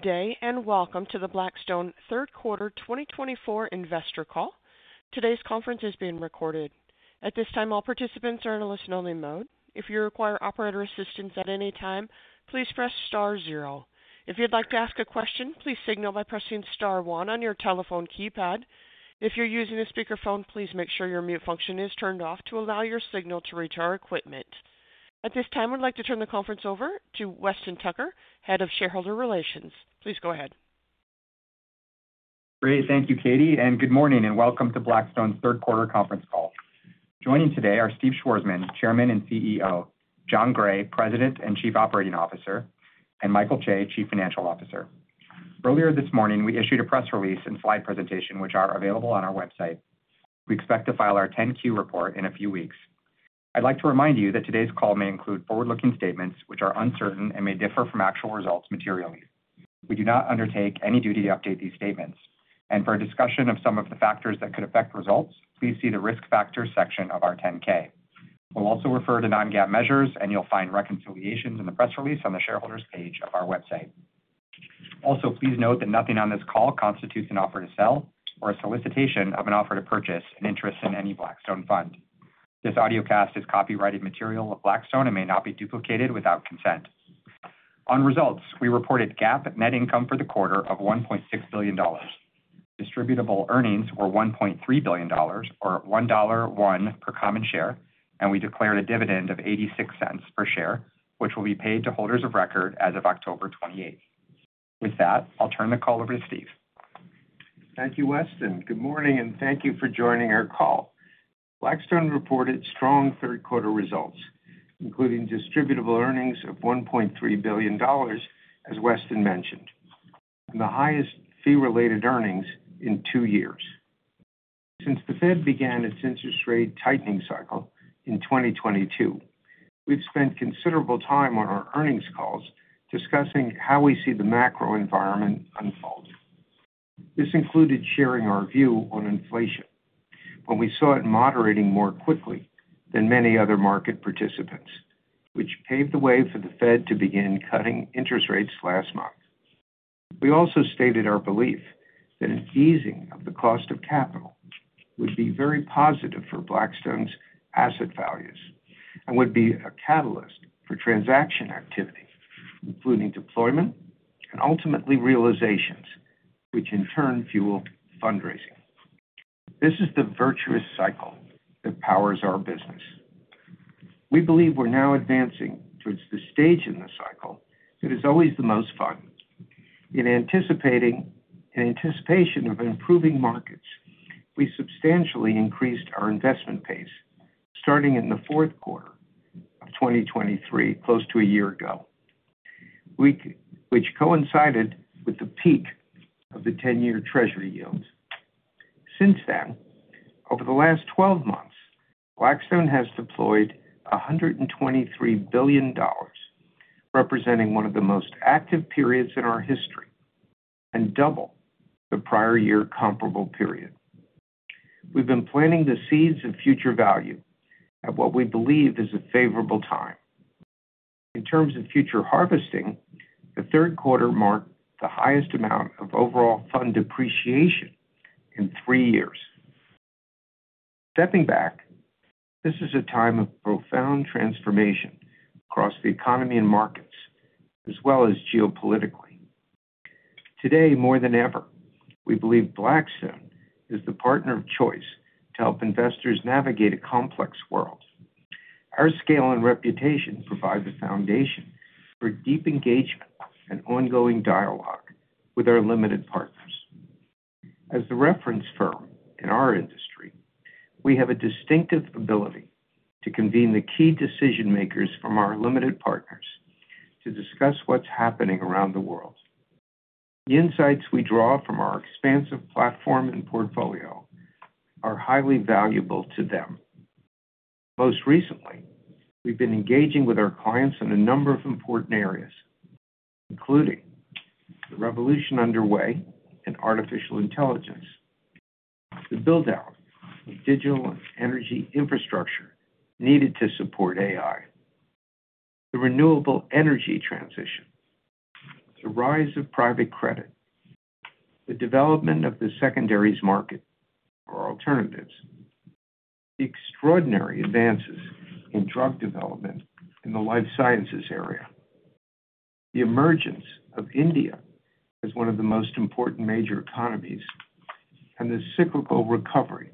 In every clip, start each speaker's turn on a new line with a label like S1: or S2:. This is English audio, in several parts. S1: Good day, and welcome to the Blackstone Third Quarter 2024 Investor Call. Today's conference is being recorded. At this time, all participants are in a listen-only mode. If you require operator assistance at any time, please press star zero. If you'd like to ask a question, please signal by pressing star one on your telephone keypad. If you're using a speakerphone, please make sure your mute function is turned off to allow your signal to reach our equipment. At this time, I'd like to turn the conference over to Weston Tucker, Head of Shareholder Relations. Please go ahead.
S2: Great. Thank you, Katie, and good morning, and welcome to Blackstone's third quarter conference call. Joining today are Steve Schwarzman, Chairman and CEO; Jon Gray, President and Chief Operating Officer; and Michael Chae, Chief Financial Officer. Earlier this morning, we issued a press release and slide presentation, which are available on our website. We expect to file our 10-Q report in a few weeks. I'd like to remind you that today's call may include forward-looking statements, which are uncertain and may differ from actual results materially. We do not undertake any duty to update these statements, and for a discussion of some of the factors that could affect results, please see the Risk Factors section of our 10-K. We'll also refer to non-GAAP measures, and you'll find reconciliations in the press release on the Shareholders page of our website. Also, please note that nothing on this call constitutes an offer to sell or a solicitation of an offer to purchase an interest in any Blackstone fund. This audiocast is copyrighted material of Blackstone and may not be duplicated without consent. On results, we reported GAAP net income for the quarter of $1.6 billion. Distributable earnings were $1 billion, or $1.01 per common share, and we declared a dividend of $0.86 per share, which will be paid to holders of record as of October 28. With that, I'll turn the call over to Steve.
S3: Thank you, Weston. Good morning, and thank you for joining our call. Blackstone reported strong third quarter results, including distributable earnings of $1.3 billion, as Weston mentioned, and the highest fee-related earnings in two years. Since the Fed began its interest rate tightening cycle in 2022, we've spent considerable time on our earnings calls discussing how we see the macro environment unfolding. This included sharing our view on inflation, when we saw it moderating more quickly than many other market participants, which paved the way for the Fed to begin cutting interest rates last month. We also stated our belief that an easing of the cost of capital would be very positive for Blackstone's asset values and would be a catalyst for transaction activity, including deployment and ultimately realizations, which in turn fuel fundraising. This is the virtuous cycle that powers our business. We believe we're now advancing towards the stage in the cycle that is always the most fun. In anticipation of improving markets, we substantially increased our investment pace starting in the fourth quarter of 2023, close to a year ago, which coincided with the peak of the ten-year Treasury yields. Since then, over the last twelve months, Blackstone has deployed $123 billion, representing one of the most active periods in our history and double the prior year comparable period. We've been planting the seeds of future value at what we believe is a favorable time. In terms of future harvesting, the third quarter marked the highest amount of overall fund depreciation in three years. Stepping back, this is a time of profound transformation across the economy and markets, as well as geopolitically. Today, more than ever, we believe Blackstone is the partner of choice to help investors navigate a complex world. Our scale and reputation provide the foundation for deep engagement and ongoing dialogue with our limited partners. As the reference firm in our industry, we have a distinctive ability to convene the key decision-makers from our limited partners to discuss what's happening around the world. The insights we draw from our expansive platform and portfolio are highly valuable to them. Most recently, we've been engaging with our clients in a number of important areas, including the revolution underway in artificial intelligence, the build-out of digital and energy infrastructure needed to support AI, the renewable energy transition, the rise of private credit, the development of the secondaries market for alternatives, the extraordinary advances in drug development in the life sciences area, the emergence of India as one of the most important major economies, and the cyclical recovery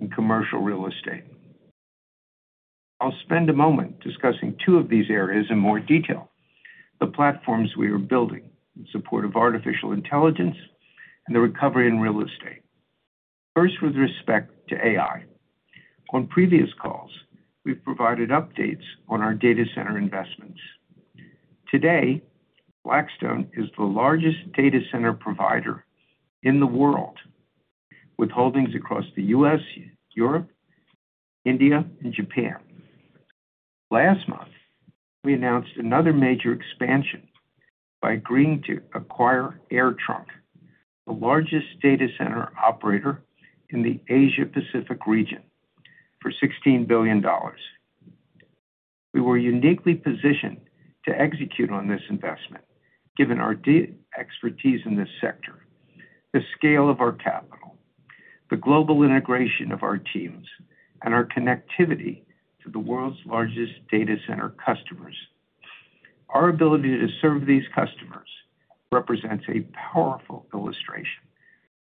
S3: in commercial real estate. I'll spend a moment discussing two of these areas in more detail, the platforms we are building in support of artificial intelligence and the recovery in real estate. First, with respect to AI. On previous calls, we've provided updates on our data center investments. Today, Blackstone is the largest data center provider in the world, with holdings across the U.S., Europe, India, and Japan. Last month, we announced another major expansion by agreeing to acquire AirTrunk, the largest data center operator in the Asia Pacific region, for $16 billion. We were uniquely positioned to execute on this investment, given our deep expertise in this sector, the scale of our capital, the global integration of our teams, and our connectivity to the world's largest data center customers. Our ability to serve these customers represents a powerful illustration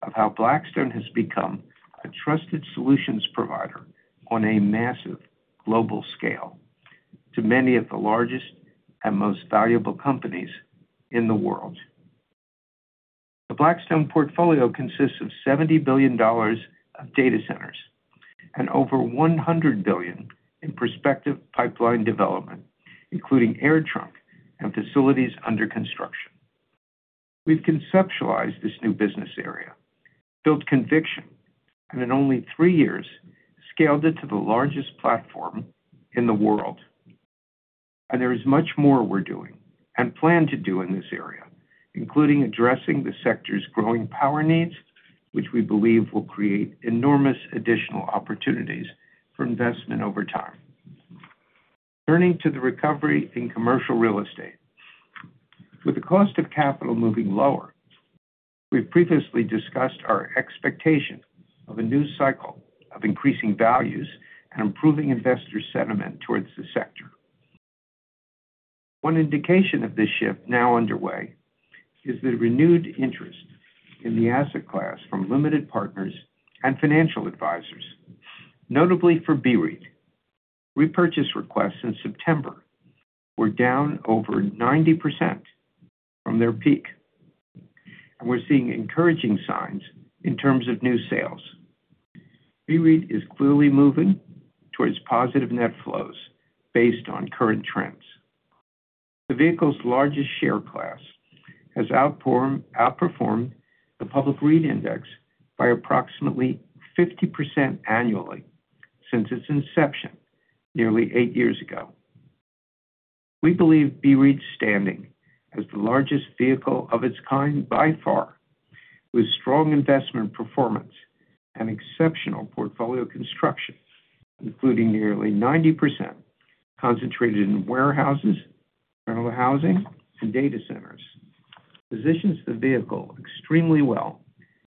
S3: of how Blackstone has become a trusted solutions provider on a massive global scale to many of the largest and most valuable companies in the world. The Blackstone portfolio consists of $70 billion of data centers and over $100 billion in prospective pipeline development, including AirTrunk and facilities under construction. We've conceptualized this new business area, built conviction, and in only three years, scaled it to the largest platform in the world. And there is much more we're doing and plan to do in this area, including addressing the sector's growing power needs, which we believe will create enormous additional opportunities for investment over time. Turning to the recovery in commercial real estate. With the cost of capital moving lower, we've previously discussed our expectation of a new cycle of increasing values and improving investor sentiment towards the sector. One indication of this shift now underway is the renewed interest in the asset class from limited partners and financial advisors, notably for BREIT. Repurchase requests in September were down over 90% from their peak, and we're seeing encouraging signs in terms of new sales. BREIT is clearly moving towards positive net flows based on current trends. The vehicle's largest share class has outperformed the public REIT index by approximately 50% annually since its inception nearly eight years ago. We believe BREIT's standing as the largest vehicle of its kind, by far, with strong investment performance and exceptional portfolio construction, including nearly 90% concentrated in warehouses, rental housing, and data centers, positions the vehicle extremely well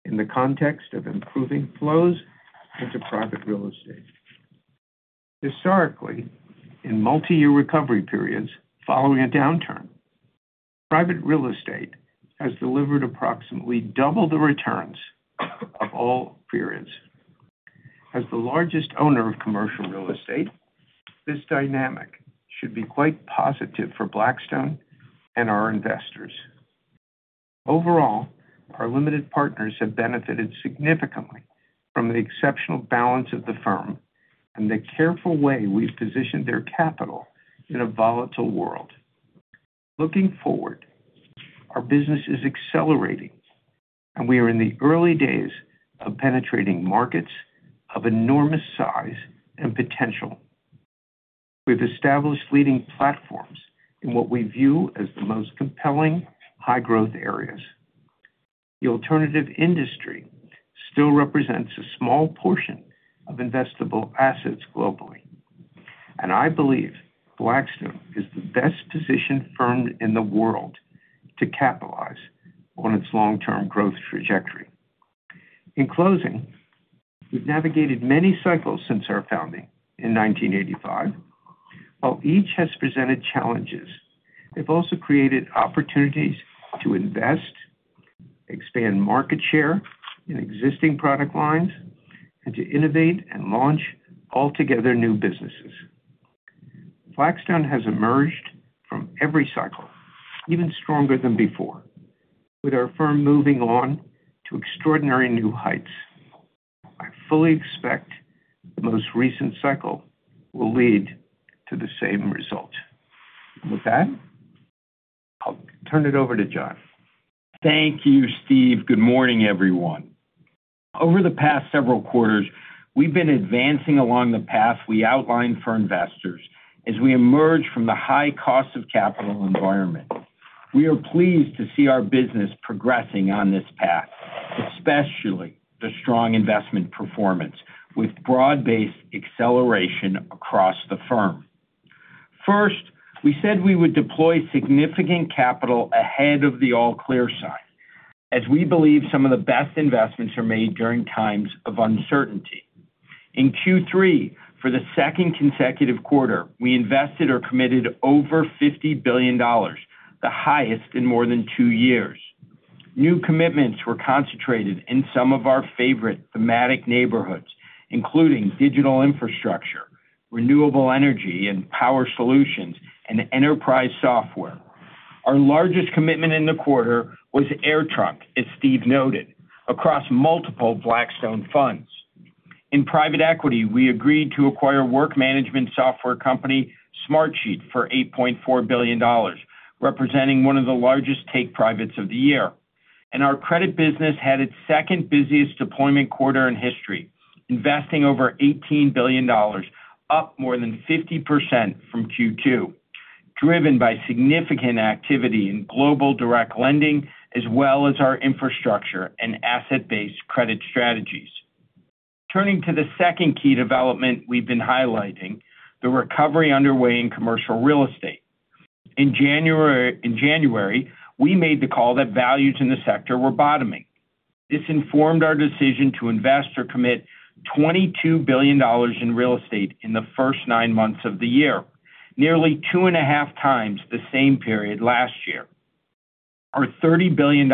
S3: in the context of improving flows into private real estate. Historically, in multi-year recovery periods following a downturn, private real estate has delivered approximately double the returns of all periods. As the largest owner of commercial real estate, this dynamic should be quite positive for Blackstone and our investors. Overall, our limited partners have benefited significantly from the exceptional balance of the firm and the careful way we've positioned their capital in a volatile world. Looking forward, our business is accelerating, and we are in the early days of penetrating markets of enormous size and potential. We've established leading platforms in what we view as the most compelling high-growth areas. The alternative industry still represents a small portion of investable assets globally, and I believe Blackstone is the best-positioned firm in the world to capitalize on its long-term growth trajectory. In closing, we've navigated many cycles since our founding in 1985. While each has presented challenges, they've also created opportunities to invest, expand market share in existing product lines, and to innovate and launch altogether new businesses. Blackstone has emerged from every cycle even stronger than before, with our firm moving on to extraordinary new heights. I fully expect the most recent cycle will lead to the same result. With that, I'll turn it over to Jon.
S4: Thank you, Steve. Good morning, everyone. Over the past several quarters, we've been advancing along the path we outlined for investors as we emerge from the high cost of capital environment. We are pleased to see our business progressing on this path, especially the strong investment performance, with broad-based acceleration across the firm. First, we said we would deploy significant capital ahead of the all-clear sign, as we believe some of the best investments are made during times of uncertainty. In Q3, for the second consecutive quarter, we invested or committed over $50 billion, the highest in more than two years. New commitments were concentrated in some of our favorite thematic neighborhoods, including digital infrastructure, renewable energy and power solutions, and enterprise software. Our largest commitment in the quarter was AirTrunk, as Steve noted, across multiple Blackstone funds. In private equity, we agreed to acquire work management software company Smartsheet for $8.4 billion, representing one of the largest take privates of the year. Our credit business had its second busiest deployment quarter in history, investing over $18 billion, up more than 50% from Q2, driven by significant activity in global direct lending, as well as our infrastructure and asset-based credit strategies. Turning to the second key development we've been highlighting, the recovery underway in commercial real estate. In January, in January, we made the call that values in the sector were bottoming. This informed our decision to invest or commit $22 billion in real estate in the first nine months of the year, nearly two and a half times the same period last year. Our $30 billion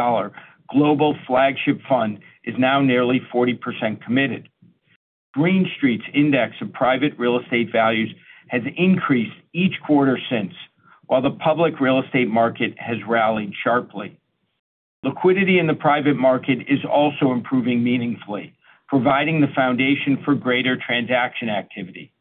S4: global flagship fund is now nearly 40% committed. Green Street's index of private real estate values has increased each quarter since, while the public real estate market has rallied sharply. Liquidity in the private market is also improving meaningfully, providing the foundation for greater transaction activity.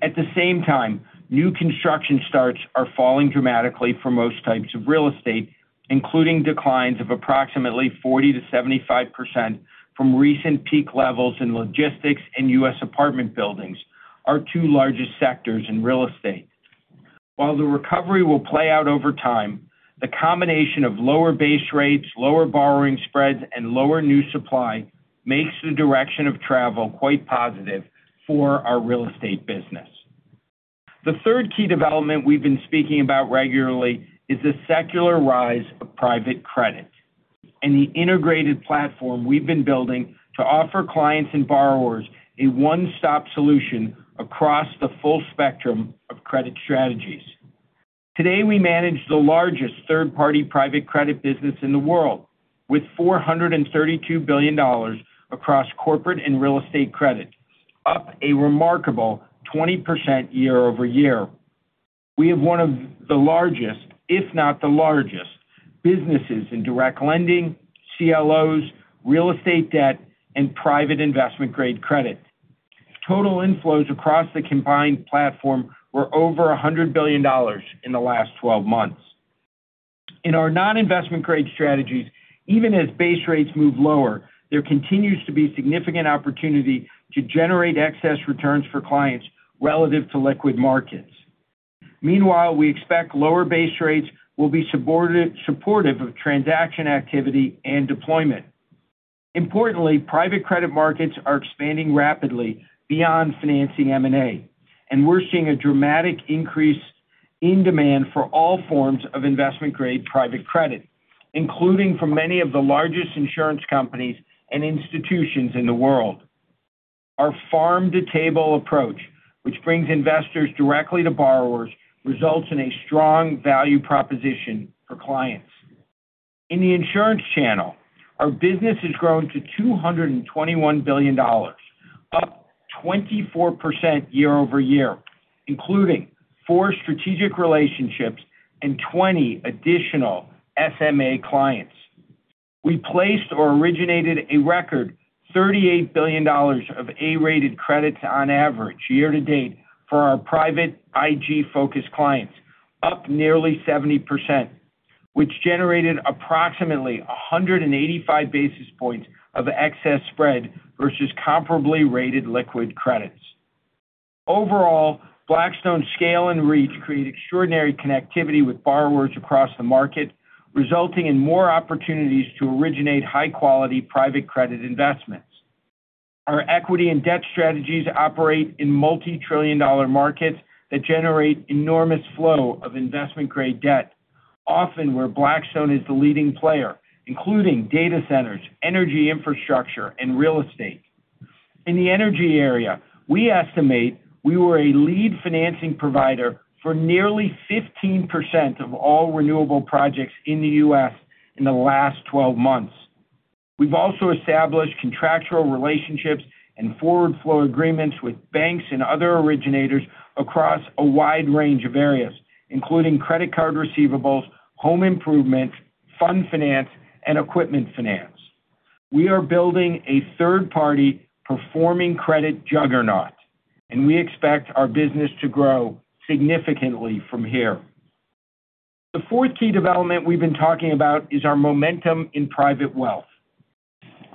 S4: At the same time, new construction starts are falling dramatically for most types of real estate, including declines of approximately 40%-75% from recent peak levels in logistics and U.S. apartment buildings, our two largest sectors in real estate. While the recovery will play out over time, the combination of lower base rates, lower borrowing spreads, and lower new supply makes the direction of travel quite positive for our real estate business. The third key development we've been speaking about regularly is the secular rise of private credit and the integrated platform we've been building to offer clients and borrowers a one-stop solution across the full spectrum of credit strategies. Today, we manage the largest third-party private credit business in the world, with $432 billion across corporate and real estate credit, up a remarkable 20% year over year. We have one of the largest, if not the largest, businesses in direct lending, CLOs, real estate debt, and private investment-grade credit. Total inflows across the combined platform were over $100 billion in the last twelve months. In our non-investment grade strategies, even as base rates move lower, there continues to be significant opportunity to generate excess returns for clients relative to liquid markets. Meanwhile, we expect lower base rates will be supportive of transaction activity and deployment. Importantly, private credit markets are expanding rapidly beyond financing M&A, and we're seeing a dramatic increase in demand for all forms of investment-grade private credit, including from many of the largest insurance companies and institutions in the world. Our farm-to-table approach, which brings investors directly to borrowers, results in a strong value proposition for clients. In the insurance channel, our business has grown to $221 billion, up 24% year over year, including four strategic relationships and 20 additional SMA clients. We placed or originated a record $38 billion of A-rated credits on average year to date for our private IG-focused clients, up nearly 70%, which generated approximately 185 basis points of excess spread versus comparably rated liquid credits. Overall, Blackstone's scale and reach create extraordinary connectivity with borrowers across the market, resulting in more opportunities to originate high-quality private credit investments. Our equity and debt strategies operate in multitrillion-dollar markets that generate enormous flow of investment-grade debt, often where Blackstone is the leading player, including data centers, energy infrastructure, and real estate. In the energy area, we estimate we were a lead financing provider for nearly 15% of all renewable projects in the U.S. in the last twelve months. We've also established contractual relationships and forward flow agreements with banks and other originators across a wide range of areas, including credit card receivables, home improvement, fund finance, and equipment finance. We are building a third-party performing credit juggernaut, and we expect our business to grow significantly from here. The fourth key development we've been talking about is our momentum in private wealth.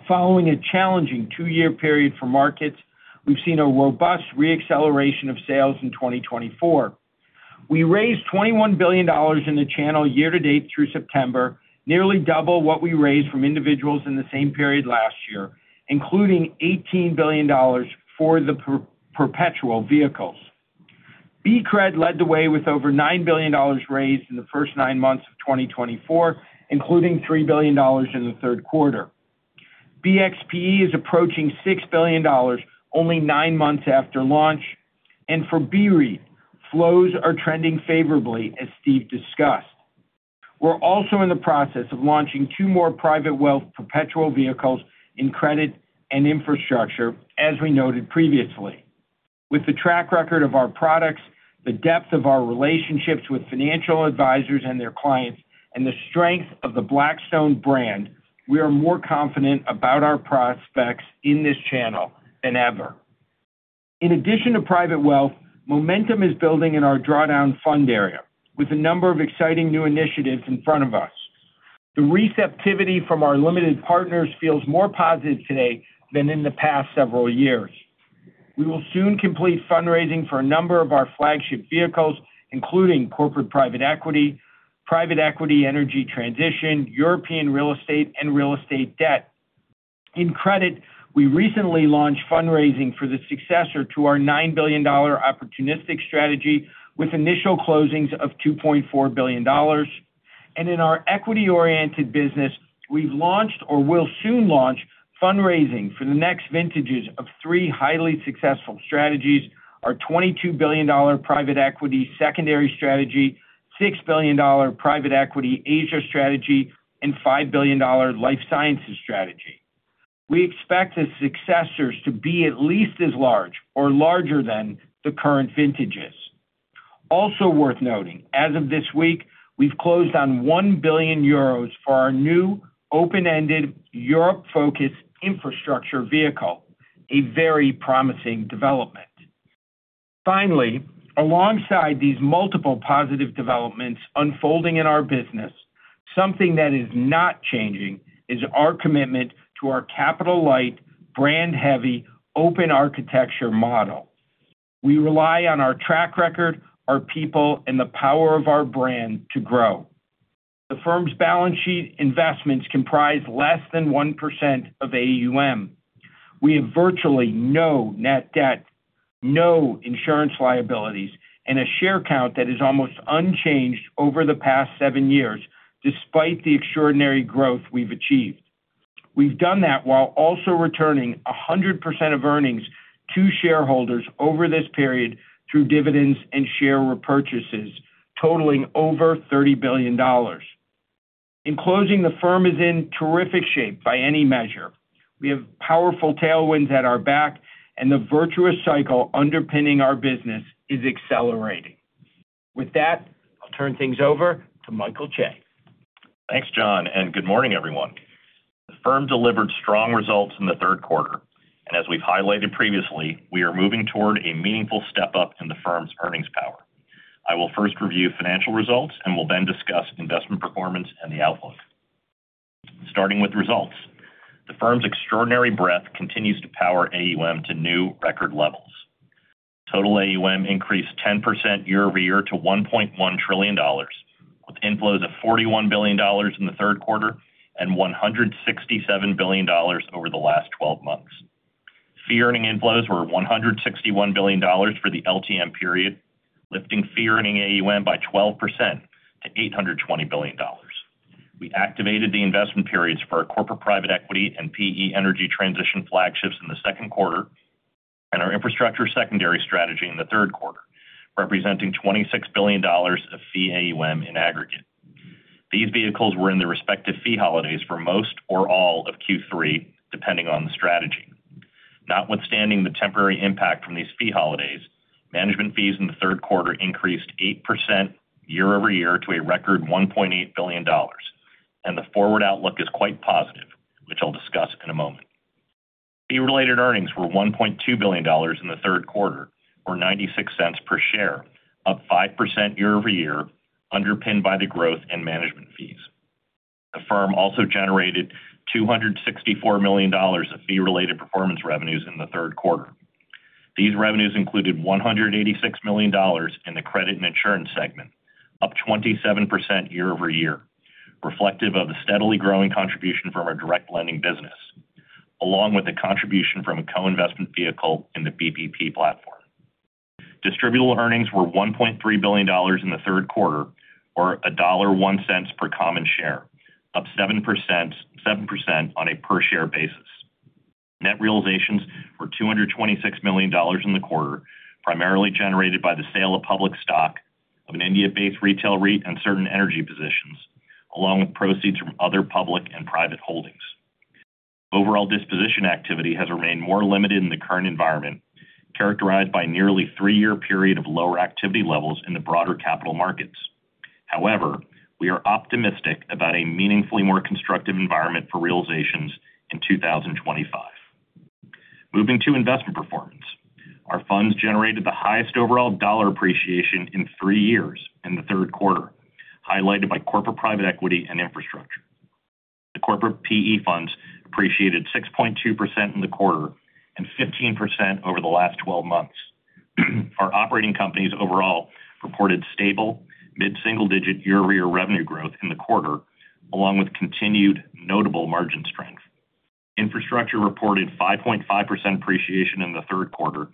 S4: Following a challenging two-year period for markets, we've seen a robust reacceleration of sales in 2024. We raised $21 billion in the channel year to date through September, nearly double what we raised from individuals in the same period last year, including $18 billion for the perpetual vehicles. BCRED led the way with over $9 billion raised in the first nine months of 2024, including $3 billion in the third quarter. BXPE is approaching $6 billion only nine months after launch, and for BREIT, flows are trending favorably, as Steve discussed. We're also in the process of launching two more private wealth perpetual vehicles in credit and infrastructure, as we noted previously. With the track record of our products, the depth of our relationships with financial advisors and their clients, and the strength of the Blackstone brand, we are more confident about our prospects in this channel than ever. In addition to private wealth, momentum is building in our drawdown fund area, with a number of exciting new initiatives in front of us. The receptivity from our limited partners feels more positive today than in the past several years. We will soon complete fundraising for a number of our flagship vehicles, including corporate private equity, private equity, energy transition, European real estate, and real estate debt. In credit, we recently launched fundraising for the successor to our $9 billion opportunistic strategy, with initial closings of $2.4 billion. And in our equity-oriented business, we've launched or will soon launch fundraising for the next vintages of three highly successful strategies, our $22 billion private equity secondary strategy, $6 billion private equity Asia strategy, and $5 billion life sciences strategy. We expect the successors to be at least as large or larger than the current vintages. Also worth noting, as of this week, we've closed on 1 billion euros for our new open-ended, Europe-focused infrastructure vehicle, a very promising development. Finally, alongside these multiple positive developments unfolding in our business, something that is not changing is our commitment to our capital-light, brand-heavy, open architecture model. We rely on our track record, our people, and the power of our brand to grow. The firm's balance sheet investments comprise less than 1% of AUM. We have virtually no net debt, no insurance liabilities, and a share count that is almost unchanged over the past seven years, despite the extraordinary growth we've achieved. We've done that while also returning 100% of earnings to shareholders over this period through dividends and share repurchases, totaling over $30 billion. In closing, the firm is in terrific shape by any measure. We have powerful tailwinds at our back, and the virtuous cycle underpinning our business is accelerating. With that, I'll turn things over to Michael Chae.
S5: Thanks, Jon, and good morning, everyone. The firm delivered strong results in the third quarter, and as we've highlighted previously, we are moving toward a meaningful step up in the firm's earnings power. I will first review financial results and will then discuss investment performance and the outlook. Starting with results. The firm's extraordinary breadth continues to power AUM to new record levels. Total AUM increased 10% year over year to $1.1 trillion, with inflows of $41 billion in the third quarter and $167 billion over the last twelve months. Fee earning inflows were $161 billion for the LTM period, lifting fee earning AUM by 12% to $820 billion. We activated the investment periods for our corporate private equity and PE energy transition flagships in the second quarter and our infrastructure secondary strategy in the third quarter, representing $26 billion of fee AUM in aggregate. These vehicles were in their respective fee holidays for most or all of Q3, depending on the strategy. Notwithstanding the temporary impact from these fee holidays, management fees in the third quarter increased 8% year over year to a record $1.8 billion, and the forward outlook is quite positive, which I'll discuss in a moment. Fee-related earnings were $1.2 billion in the third quarter, or $0.96 per share, up 5% year over year, underpinned by the growth in management fees. The firm also generated $264 million of fee-related performance revenues in the third quarter. These revenues included $186 million in the credit and insurance segment, up 27% year over year, reflective of the steadily growing contribution from our direct lending business, along with a contribution from a co-investment vehicle in the BPP platform. Distributable earnings were $1.3 billion in the third quarter, or $1.01 per common share, up 7%, 7% on a per-share basis. Net realizations were $226 million in the quarter, primarily generated by the sale of public stock of an India-based retail REIT and certain energy positions, along with proceeds from other public and private holdings. Overall disposition activity has remained more limited in the current environment, characterized by a nearly 3-year period of lower activity levels in the broader capital markets. However, we are optimistic about a meaningfully more constructive environment for realizations in 2025. Moving to investment performance. Our funds generated the highest overall dollar appreciation in three years in the third quarter, highlighted by corporate private equity and infrastructure. The corporate PE funds appreciated 6.2% in the quarter and 15% over the last twelve months. Our operating companies overall reported stable, mid-single-digit year-over-year revenue growth in the quarter, along with continued notable margin strength. Infrastructure reported 5.5% appreciation in the third quarter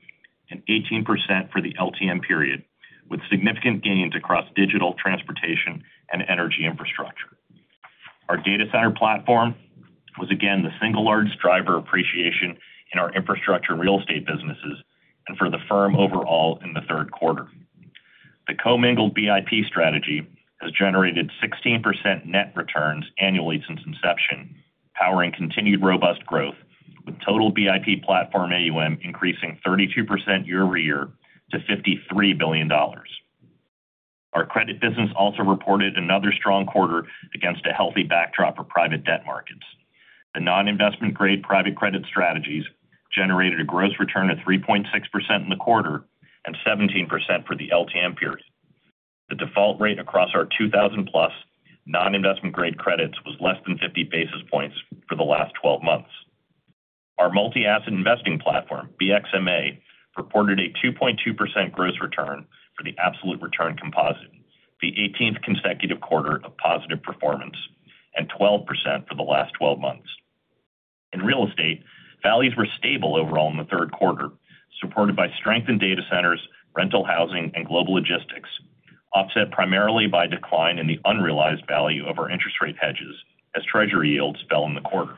S5: and 18% for the LTM period, with significant gains across digital, transportation, and energy infrastructure. Our data center platform was again the single largest driver appreciation in our infrastructure and real estate businesses and for the firm overall in the third quarter. The commingled BIP strategy has generated 16% net returns annually since inception, powering continued robust growth, with total BIP platform AUM increasing 32% year over year to $53 billion. Our credit business also reported another strong quarter against a healthy backdrop for private debt markets. The non-investment grade private credit strategies generated a gross return of 3.6% in the quarter and 17% for the LTM period. The default rate across our 2,000+ non-investment grade credits was less than 50 basis points for the last twelve months. Our multi-asset investing platform, BXMA, reported a 2.2% gross return for the absolute return composite, the 18th consecutive quarter of positive performance, and 12% for the last twelve months. In real estate, values were stable overall in the third quarter, supported by strength in data centers, rental housing, and global logistics, offset primarily by decline in the unrealized value of our interest rate hedges as Treasury yields fell in the quarter.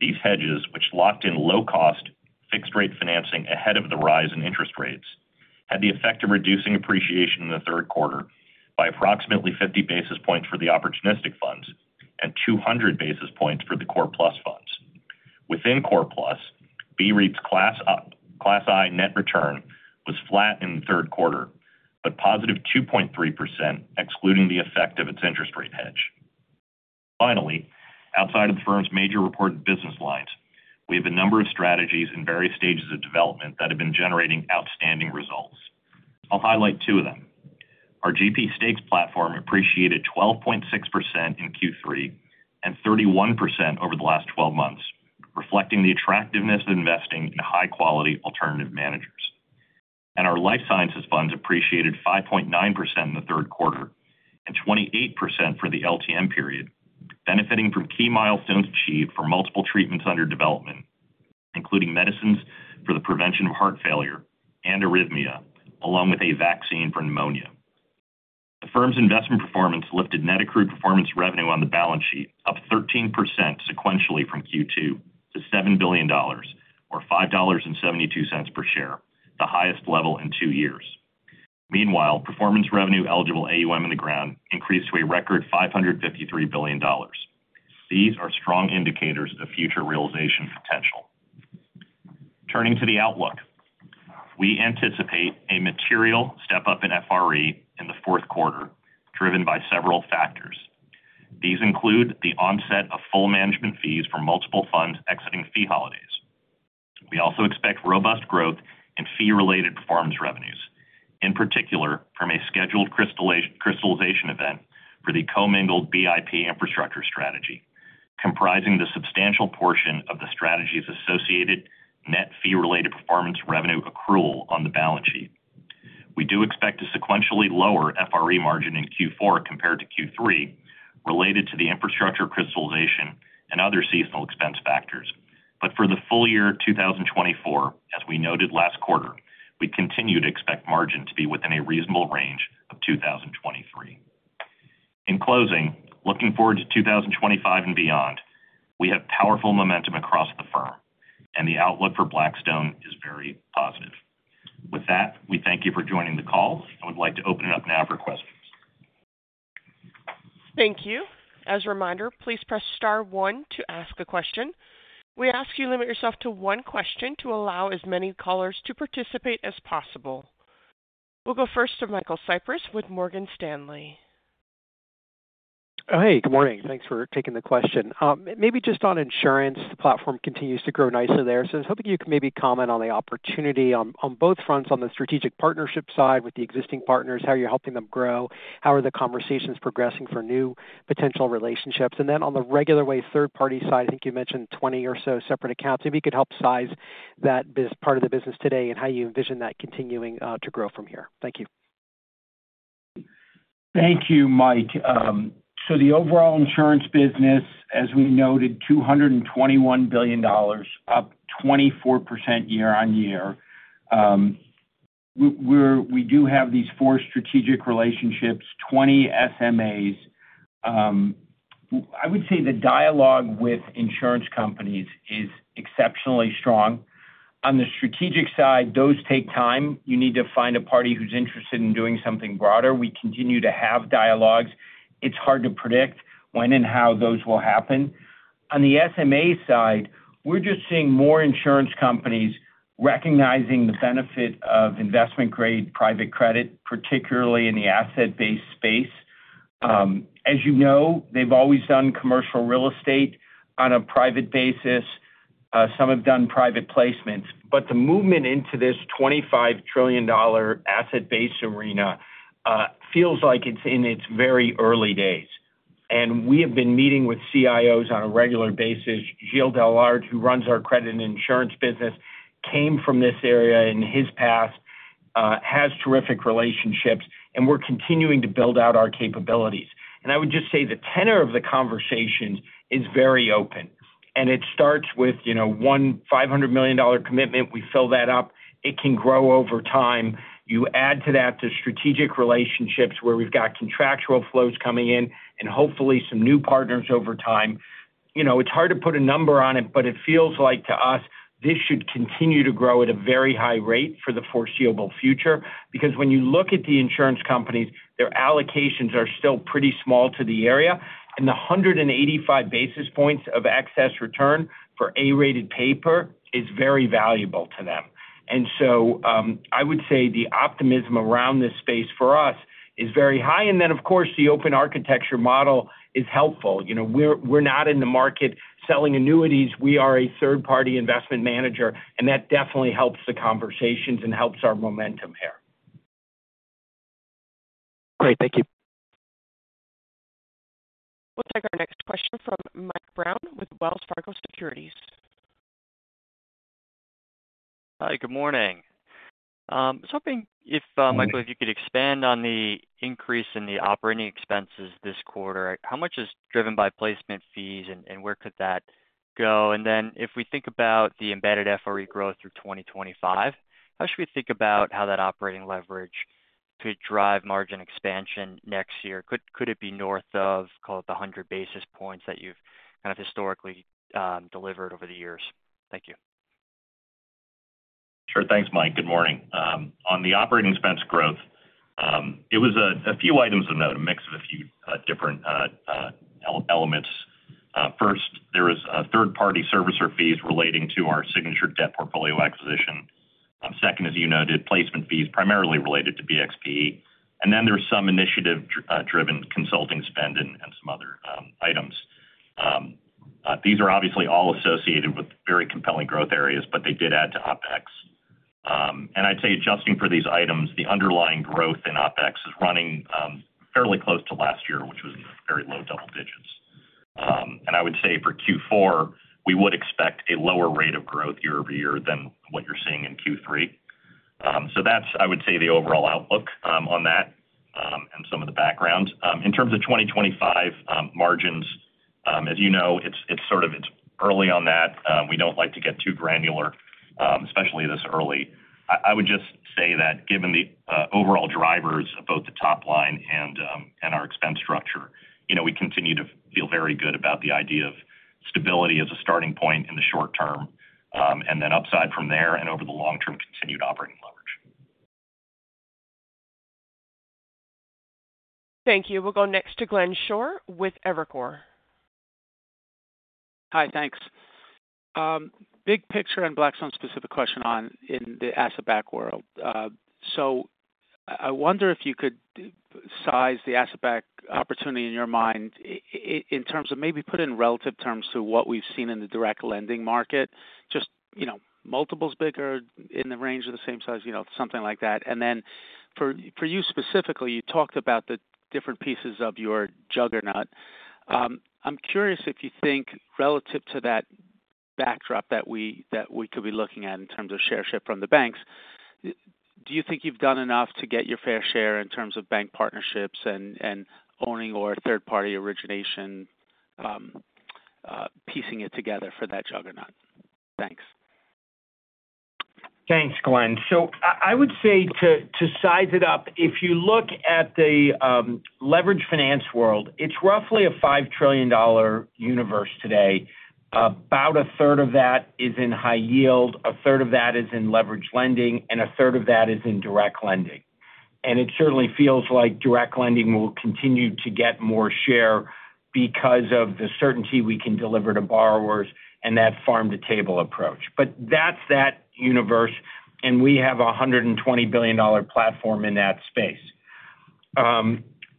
S5: These hedges, which locked in low-cost fixed-rate financing ahead of the rise in interest rates, had the effect of reducing appreciation in the third quarter by approximately fifty basis points for the opportunistic funds and two hundred basis points for the core plus funds. Within core plus, BREIT's Class S, Class I net return was flat in the third quarter, but positive 2.3%, excluding the effect of its interest rate hedge. Finally, outside of the firm's major reported business lines, we have a number of strategies in various stages of development that have been generating outstanding results. I'll highlight two of them. Our GP Stakes platform appreciated 12.6% in Q3 and 31% over the last twelve months, reflecting the attractiveness of investing in high-quality alternative managers. Our life sciences funds appreciated 5.9% in the third quarter and 28% for the LTM period, benefiting from key milestones achieved for multiple treatments under development, including medicines for the prevention of heart failure and arrhythmia, along with a vaccine for pneumonia. The firm's investment performance lifted net accrued performance revenue on the balance sheet, up 13% sequentially from Q2 to $7 billion, or $5.72 per share, the highest level in two years. Meanwhile, performance revenue eligible AUM on the ground increased to a record $553 billion. These are strong indicators of future realization potential. Turning to the outlook, we anticipate a material step-up in FRE in the fourth quarter, driven by several factors. These include the onset of full management fees for multiple funds exiting fee holidays. We also expect robust growth in fee-related performance revenues, in particular from a scheduled crystallization event for the commingled BIP infrastructure strategy, comprising the substantial portion of the strategy's associated net fee-related performance revenue accrual on the balance sheet. We do expect to sequentially lower FRE margin in Q4 compared to Q3, related to the infrastructure crystallization and other seasonal expense factors, but for the full year 2024, as we noted last quarter, we continue to expect margin to be within a reasonable range of 2023. In closing, looking forward to 2025 and beyond, we have powerful momentum across the firm, and the outlook for Blackstone is very positive. With that, we thank you for joining the call, and we'd like to open it up now for questions.
S1: Thank you. As a reminder, please press star one to ask a question. We ask you limit yourself to one question to allow as many callers to participate as possible. We'll go first to Michael Cyprys with Morgan Stanley.
S6: Hey, good morning. Thanks for taking the question. Maybe just on insurance, the platform continues to grow nicely there. So I was hoping you could maybe comment on the opportunity on both fronts, on the strategic partnership side with the existing partners, how you're helping them grow, how are the conversations progressing for new potential relationships? And then on the regular way, third-party side, I think you mentioned twenty or so separate accounts. If you could help size that part of the business today and how you envision that continuing to grow from here. Thank you.
S4: Thank you, Mike, so the overall insurance business, as we noted, $221 billion, up 24% year on year. We do have these four strategic relationships, 20 SMAs. I would say the dialogue with insurance companies is exceptionally strong. On the strategic side, those take time. You need to find a party who's interested in doing something broader. We continue to have dialogues. It's hard to predict when and how those will happen. On the SMA side, we're just seeing more insurance companies recognizing the benefit of investment-grade private credit, particularly in the asset-based space. As you know, they've always done commercial real estate on a private basis.
S5: Some have done private placements, but the movement into this $25 trillion asset-based arena feels like it's in its very early days, and we have been meeting with CIOs on a regular basis. Gilles Dellaert, who runs our credit and insurance business, came from this area in his past, has terrific relationships, and we're continuing to build out our capabilities. I would just say the tenor of the conversation is very open, and it starts with, you know, a $500 million commitment. We fill that up. It can grow over time. You add to that the strategic relationships, where we've got contractual flows coming in and hopefully some new partners over time. You know, it's hard to put a number on it, but it feels like, to us, this should continue to grow at a very high rate for the foreseeable future. Because when you look at the insurance companies, their allocations are still pretty small to the area, and the 185 basis points of excess return for A-rated paper is very valuable to them. And so, I would say the optimism around this space for us is very high. And then, of course, the open architecture model is helpful. You know, we're not in the market selling annuities. We are a third-party investment manager, and that definitely helps the conversations and helps our momentum here.
S6: Great. Thank you.
S1: We'll take our next question from Mike Brown with Wells Fargo Securities.
S7: Hi, good morning. I was hoping, Michael, if you could expand on the increase in the operating expenses this quarter, how much is driven by placement fees and where could that go? And then if we think about the embedded FRE growth through 2025, how should we think about how that operating leverage could drive margin expansion next year? Could it be north of, call it, 100 basis points that you've kind of historically delivered over the years? Thank you.
S5: Sure. Thanks, Mike. Good morning. On the operating expense growth, it was a few items of note, a mix of a few different elements. First, there was third-party servicer fees relating to our significant debt portfolio acquisition. Second, as you noted, placement fees, primarily related to BXPE, and then there's some initiative driven consulting spend and some other items. These are obviously all associated with very compelling growth areas, but they did add to OpEx. I'd say adjusting for these items, the underlying growth in OpEx is running fairly close to last year, which was very low double digits. I would say for Q4, we would expect a lower rate of growth year over year than what you're seeing in Q3. So that's, I would say, the overall outlook on that and some of the background. In terms of 2025 margins, as you know, it's sort of it's early on that. We don't like to get too granular, especially this early. I would just say that given the overall drivers of both the top line and our expense structure, you know, we continue to feel very good about the idea of stability as a starting point in the short term, and then upside from there and over the long term, continued operating leverage.
S1: Thank you. We'll go next to Glenn Schorr with Evercore.
S8: Hi, thanks. Big picture and Blackstone specific question on in the asset-backed world. So I wonder if you could size the asset-backed opportunity in your mind, in terms of maybe put it in relative terms to what we've seen in the direct lending market, just, you know, multiples bigger, in the range of the same size, you know, something like that. And then for you specifically, you talked about the different pieces of your juggernaut. I'm curious if you think, relative to that backdrop that we could be looking at in terms of share shift from the banks, do you think you've done enough to get your fair share in terms of bank partnerships and owning or third-party origination, piecing it together for that juggernaut? Thanks.
S4: Thanks, Glenn. So I would say to size it up, if you look at the leverage finance world, it's roughly a $5 trillion universe today. About a third of that is in high yield, a third of that is in leverage lending, and a third of that is in direct lending. And it certainly feels like direct lending will continue to get more share because of the certainty we can deliver to borrowers and that farm-to-table approach. But that's that universe, and we have a $120 billion platform in that space.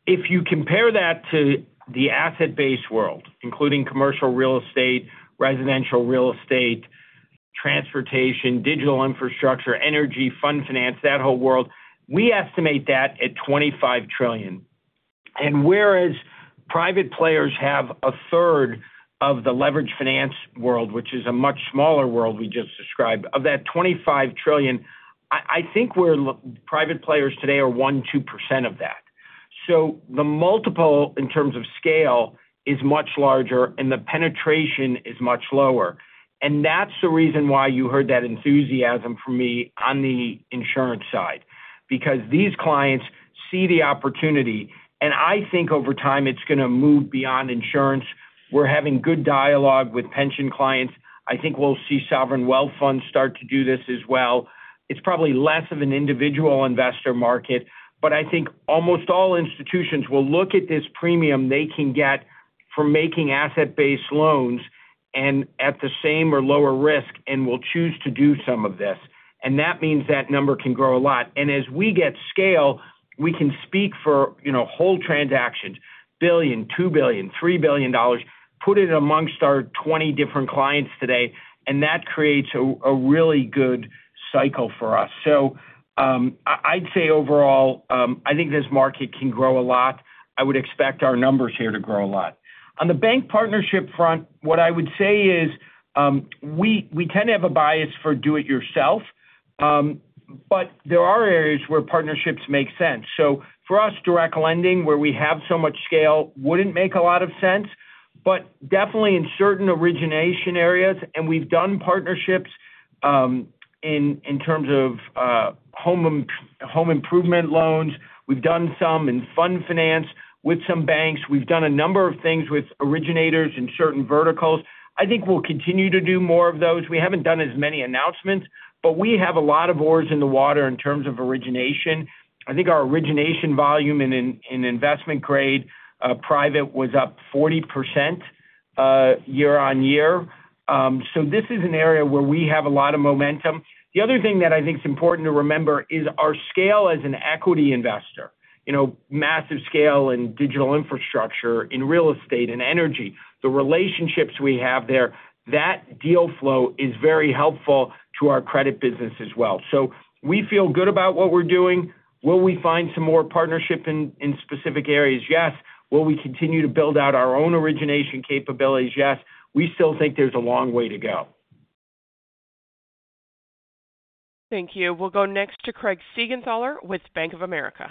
S4: If you compare that to the asset-based world, including commercial real estate, residential real estate, transportation, digital infrastructure, energy, fund finance, that whole world, we estimate that at $25 trillion. Whereas private players have a third of the leverage finance world, which is a much smaller world we just described, of that twenty-five trillion, I think private players today are 1%-2% of that. So the multiple in terms of scale is much larger, and the penetration is much lower. That's the reason why you heard that enthusiasm from me on the insurance side, because these clients see the opportunity, and I think over time, it's gonna move beyond insurance. We're having good dialogue with pension clients. I think we'll see sovereign wealth funds start to do this as well. It's probably less of an individual investor market, but I think almost all institutions will look at this premium they can get for making asset-based loans and at the same or lower risk, and will choose to do some of this. And that means that number can grow a lot. And as we get scale, we can speak for, you know, whole transactions, $1 billion, $2 billion, $3 billion, put it amongst our twenty different clients today, and that creates a really good cycle for us. So, I'd say overall, I think this market can grow a lot. I would expect our numbers here to grow a lot. On the bank partnership front, what I would say is, we tend to have a bias for do it yourself, but there are areas where partnerships make sense. So for us, direct lending, where we have so much scale, wouldn't make a lot of sense, but definitely in certain origination areas, and we've done partnerships, in terms of home improvement loans. We've done some in fund finance with some banks. We've done a number of things with originators in certain verticals. I think we'll continue to do more of those. We haven't done as many announcements, but we have a lot of oars in the water in terms of origination. I think our origination volume in investment grade private was up 40% year on year. So this is an area where we have a lot of momentum. The other thing that I think is important to remember is our scale as an equity investor, you know, massive scale in digital infrastructure, in real estate, in energy, the relationships we have there, that deal flow is very helpful to our credit business as well. So we feel good about what we're doing. Will we find some more partnership in specific areas? Yes. Will we continue to build out our own origination capabilities? Yes. We still think there's a long way to go.
S1: Thank you. We'll go next to Craig Siegenthaler with Bank of America.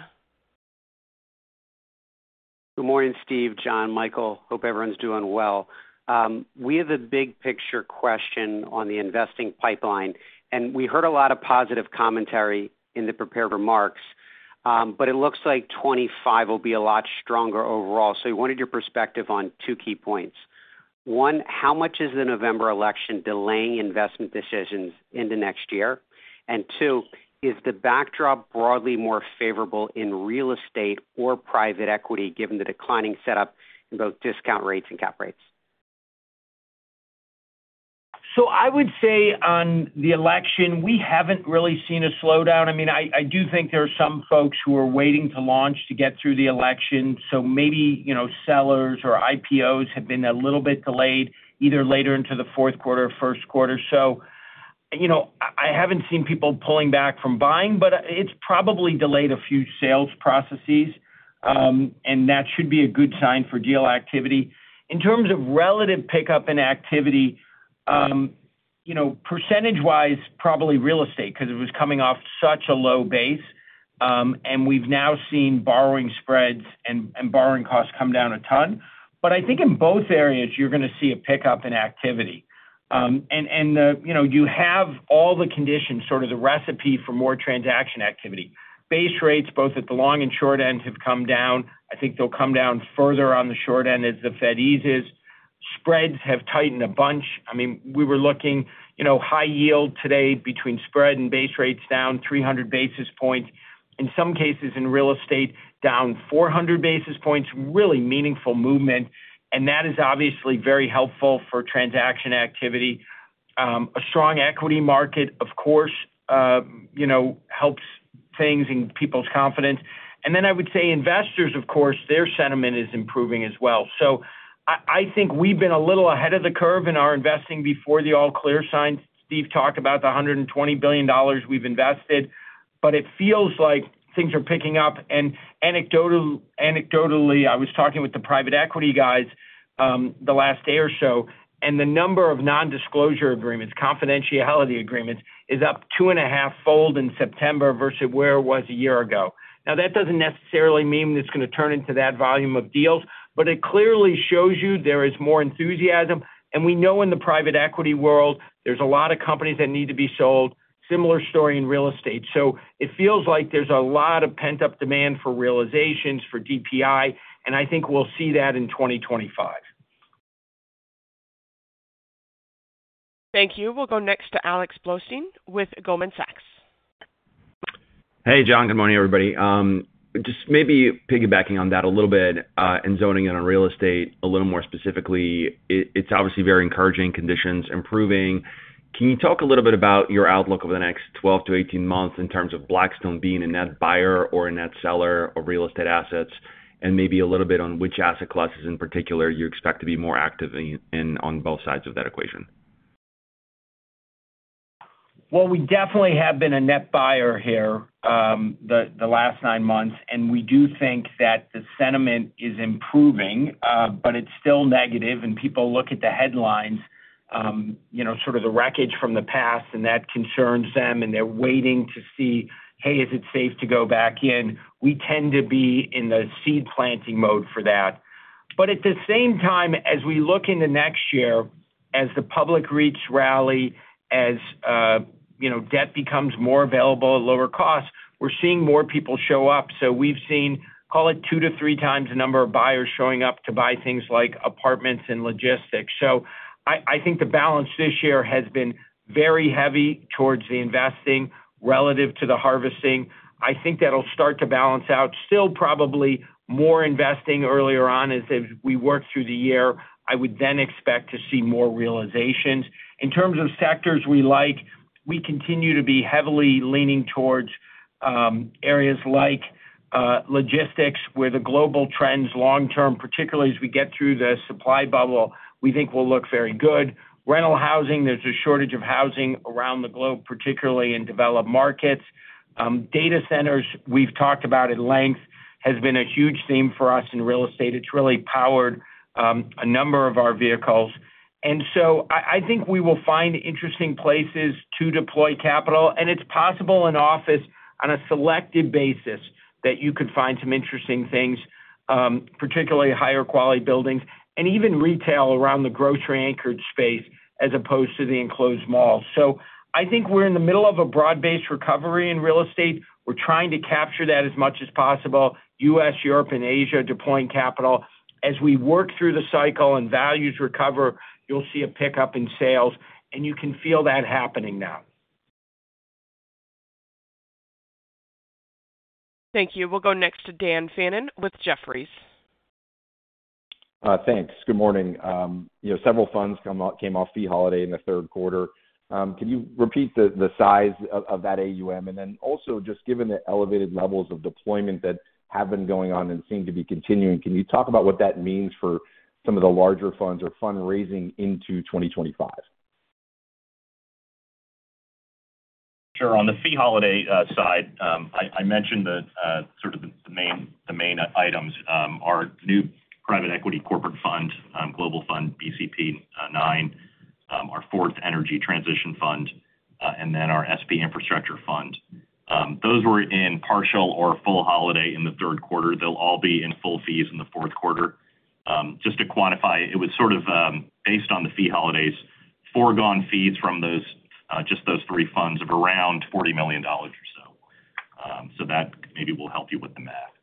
S9: Good morning, Steve, Jon, Michael. Hope everyone's doing well. We have a big picture question on the investing pipeline, and we heard a lot of positive commentary in the prepared remarks, but it looks like 2025 will be a lot stronger overall, so we wanted your perspective on two key points. One, how much is the November election delaying investment decisions into next year? And two, is the backdrop broadly more favorable in real estate or private equity, given the declining setup in both discount rates and cap rates?
S4: So I would say on the election, we haven't really seen a slowdown. I mean, I do think there are some folks who are waiting to launch to get through the election. So maybe, you know, sellers or IPOs have been a little bit delayed, either later into the fourth quarter or first quarter. So, you know, I haven't seen people pulling back from buying, but, it's probably delayed a few sales processes, and that should be a good sign for deal activity. In terms of relative pickup in activity, you know, percentage-wise, probably real estate, 'cause it was coming off such a low base. And we've now seen borrowing spreads and borrowing costs come down a ton. But I think in both areas, you're gonna see a pickup in activity. You know, you have all the conditions, sort of the recipe for more transaction activity. Base rates, both at the long and short end, have come down. I think they'll come down further on the short end as the Fed eases. Spreads have tightened a bunch. I mean, we were looking, you know, high yield today between spread and base rates down 300 basis points. In some cases in real estate, down 400 basis points, really meaningful movement, and that is obviously very helpful for transaction activity. A strong equity market, of course, you know, helps things and people's confidence. Then I would say investors, of course, their sentiment is improving as well. So I think we've been a little ahead of the curve in our investing before the all-clear sign. Steve talked about the $120 billion we've invested, but it feels like things are picking up, and anecdotally, I was talking with the private equity guys the last day or so, and the number of non-disclosure agreements, confidentiality agreements, is up two and a half fold in September versus where it was a year ago. Now, that doesn't necessarily mean it's gonna turn into that volume of deals, but it clearly shows you there is more enthusiasm, and we know in the private equity world, there's a lot of companies that need to be sold. Similar story in real estate, so it feels like there's a lot of pent-up demand for realizations, for DPI, and I think we'll see that in 2025.
S1: Thank you. We'll go next to Alex Blostein with Goldman Sachs.
S10: Hey, Jon. Good morning, everybody. Just maybe piggybacking on that a little bit, and zoning in on real estate a little more specifically, it's obviously very encouraging, conditions improving. Can you talk a little bit about your outlook over the next twelve to eighteen months in terms of Blackstone being a net buyer or a net seller of real estate assets? And maybe a little bit on which asset classes in particular you expect to be more active in, on both sides of that equation.
S4: We definitely have been a net buyer here the last nine months, and we do think that the sentiment is improving, but it's still negative, and people look at the headlines, you know, sort of the wreckage from the past, and that concerns them, and they're waiting to see, hey, is it safe to go back in? We tend to be in the seed planting mode for that, but at the same time, as we look into next year, as the public REITs rally, as you know, debt becomes more available at lower costs, we're seeing more people show up, so we've seen, call it two to three times the number of buyers showing up to buy things like apartments and logistics, so I think the balance this year has been very heavy towards the investing relative to the harvesting. I think that'll start to balance out. Still probably more investing earlier on as we work through the year, I would then expect to see more realizations. In terms of sectors we like, we continue to be heavily leaning towards, areas like, logistics, where the global trends long term, particularly as we get through the supply bubble, we think will look very good. Rental housing, there's a shortage of housing around the globe, particularly in developed markets. Data centers, we've talked about at length, has been a huge theme for us in real estate. It's really powered, a number of our vehicles. And so I think we will find interesting places to deploy capital, and it's possible in office on a selective basis, that you could find some interesting things, particularly higher quality buildings and even retail around the grocery-anchored space as opposed to the enclosed mall. So I think we're in the middle of a broad-based recovery in real estate. We're trying to capture that as much as possible, U.S., Europe, and Asia, deploying capital. As we work through the cycle and values recover, you'll see a pickup in sales, and you can feel that happening now.
S1: Thank you. We'll go next to Dan Fannon with Jefferies.
S11: Thanks. Good morning. You know, several funds came off fee holiday in the third quarter. Can you repeat the size of that AUM? And then also, just given the elevated levels of deployment that have been going on and seem to be continuing, can you talk about what that means for some of the larger funds or fundraising into 2025?...
S5: Sure. On the fee holiday side, I mentioned that sort of the main items, our new private equity corporate fund, global fund, BCP IX, our fourth energy transition fund, and then our SP infrastructure fund. Those were in partial or full holiday in the third quarter. They'll all be in full fees in the fourth quarter. Just to quantify, it was sort of based on the fee holidays, foregone fees from those just those three funds of around $40 million or so. So that maybe will help you with the math.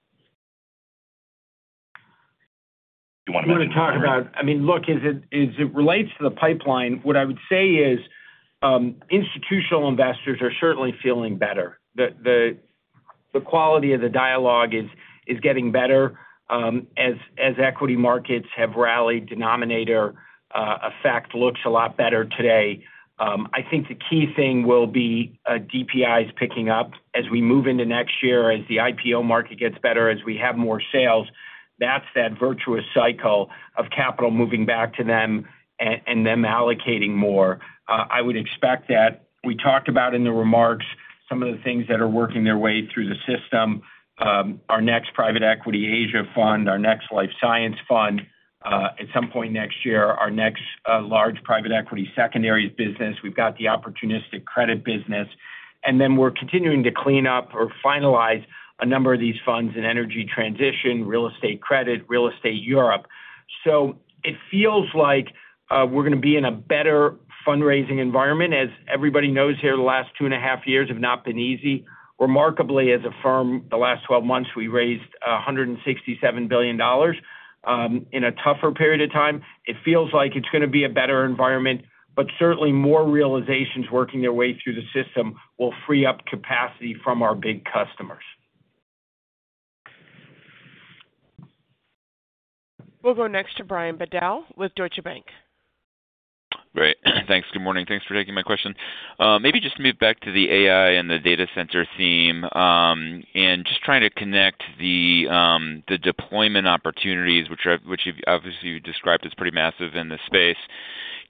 S5: You wanna mention-
S4: I want to talk about. I mean, look, as it relates to the pipeline, what I would say is, institutional investors are certainly feeling better. The quality of the dialogue is getting better. As equity markets have rallied, denominator effect looks a lot better today. I think the key thing will be, DPIs picking up as we move into next year, as the IPO market gets better, as we have more sales, that's that virtuous cycle of capital moving back to them and them allocating more. I would expect that. We talked about in the remarks, some of the things that are working their way through the system. Our next private equity Asia fund, our next life science fund, at some point next year, our next large private equity secondaries business. We've got the opportunistic credit business, and then we're continuing to clean up or finalize a number of these funds in energy transition, real estate credit, real estate Europe. So it feels like we're gonna be in a better fundraising environment. As everybody knows here, the last two and a half years have not been easy. Remarkably, as a firm, the last twelve months, we raised $167 billion in a tougher period of time. It feels like it's gonna be a better environment, but certainly more realizations working their way through the system will free up capacity from our big customers.
S1: We'll go next to Brian Bedell with Deutsche Bank.
S12: Great. Thanks. Good morning. Thanks for taking my question. Maybe just move back to the AI and the data center theme. And just trying to connect the, the deployment opportunities, which I've-- which you've obviously you described as pretty massive in this space.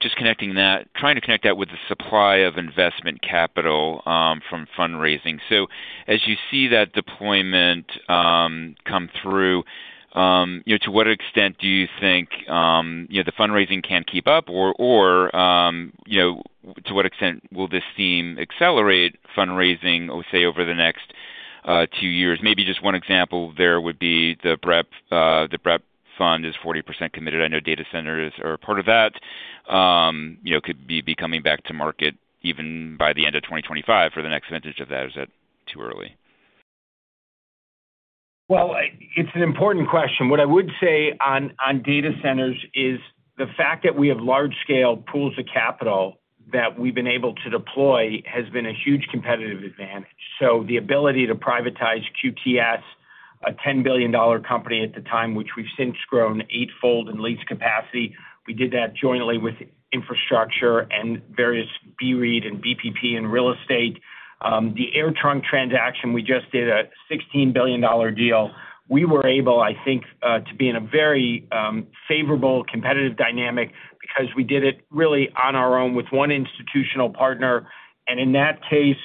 S12: Just connecting that-- trying to connect that with the supply of investment capital from fundraising. So as you see that deployment come through, you know, to what extent do you think, you know, the fundraising can't keep up or, or, you know, to what extent will this theme accelerate fundraising, oh, say, over the next two years? Maybe just one example there would be the BREP, the BREP fund is 40% committed. I know data centers are a part of that. You know, could be coming back to market even by the end of 2025 for the next vintage of that, or is that too early?
S4: It's an important question. What I would say on, on data centers is the fact that we have large-scale pools of capital that we've been able to deploy has been a huge competitive advantage. So the ability to privatize QTS, a $10 billion company at the time, which we've since grown eightfold in lease capacity, we did that jointly with infrastructure and various BREIT and BPP and real estate. The AirTrunk transaction, we just did a $16 billion deal. We were able, I think, to be in a very, favorable, competitive dynamic because we did it really on our own with one institutional partner. In that case,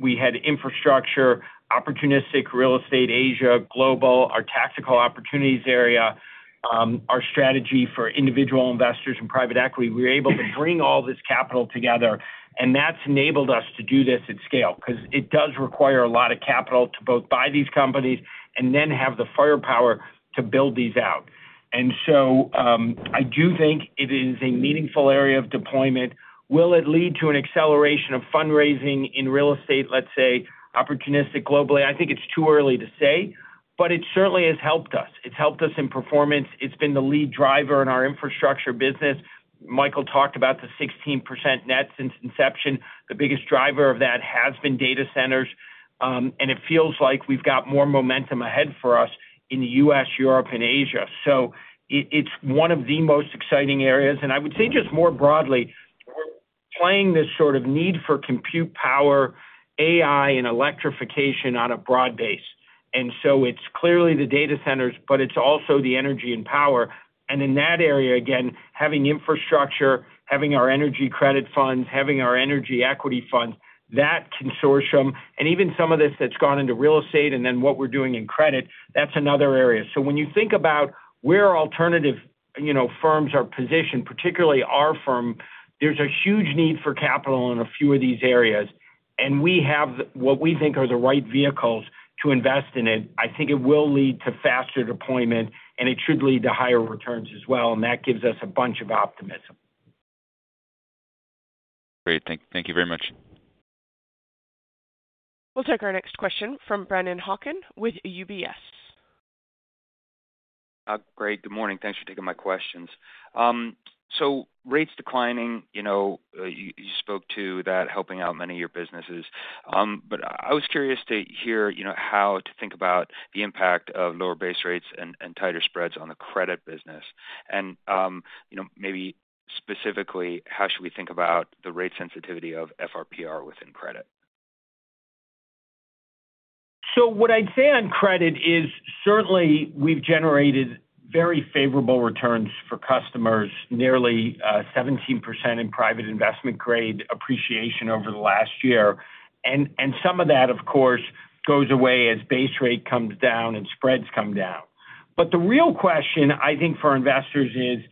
S4: we had infrastructure, opportunistic real estate, Asia, global, our Tactical Opportunities area, our strategy for individual investors and private equity. We were able to bring all this capital together, and that's enabled us to do this at scale, because it does require a lot of capital to both buy these companies and then have the firepower to build these out, and so, I do think it is a meaningful area of deployment. Will it lead to an acceleration of fundraising in real estate, let's say, opportunistic, globally? I think it's too early to say, but it certainly has helped us. It's helped us in performance. It's been the lead driver in our infrastructure business. Michael talked about the 16% net since inception. The biggest driver of that has been data centers, and it feels like we've got more momentum ahead for us in the U.S., Europe, and Asia. It's one of the most exciting areas, and I would say just more broadly, we're playing this sort of need for compute power, AI, and electrification on a broad base. And so it's clearly the data centers, but it's also the energy and power. And in that area, again, having infrastructure, having our energy credit funds, having our energy equity funds, that consortium, and even some of this that's gone into real estate, and then what we're doing in credit, that's another area. So when you think about where alternative, you know, firms are positioned, particularly our firm, there's a huge need for capital in a few of these areas, and we have what we think are the right vehicles to invest in it. I think it will lead to faster deployment, and it should lead to higher returns as well, and that gives us a bunch of optimism.
S12: Great. Thank you very much.
S1: We'll take our next question from Brennan Hawken with UBS.
S13: Great, good morning. Thanks for taking my questions. So rates declining, you know, you spoke to that helping out many of your businesses. But I was curious to hear, you know, how to think about the impact of lower base rates and tighter spreads on the credit business. And you know, maybe specifically, how should we think about the rate sensitivity of FRPR within credit?...
S4: So what I'd say on credit is certainly we've generated very favorable returns for customers, nearly 17% in private investment grade appreciation over the last year. And some of that, of course, goes away as base rate comes down and spreads come down. But the real question, I think, for investors is: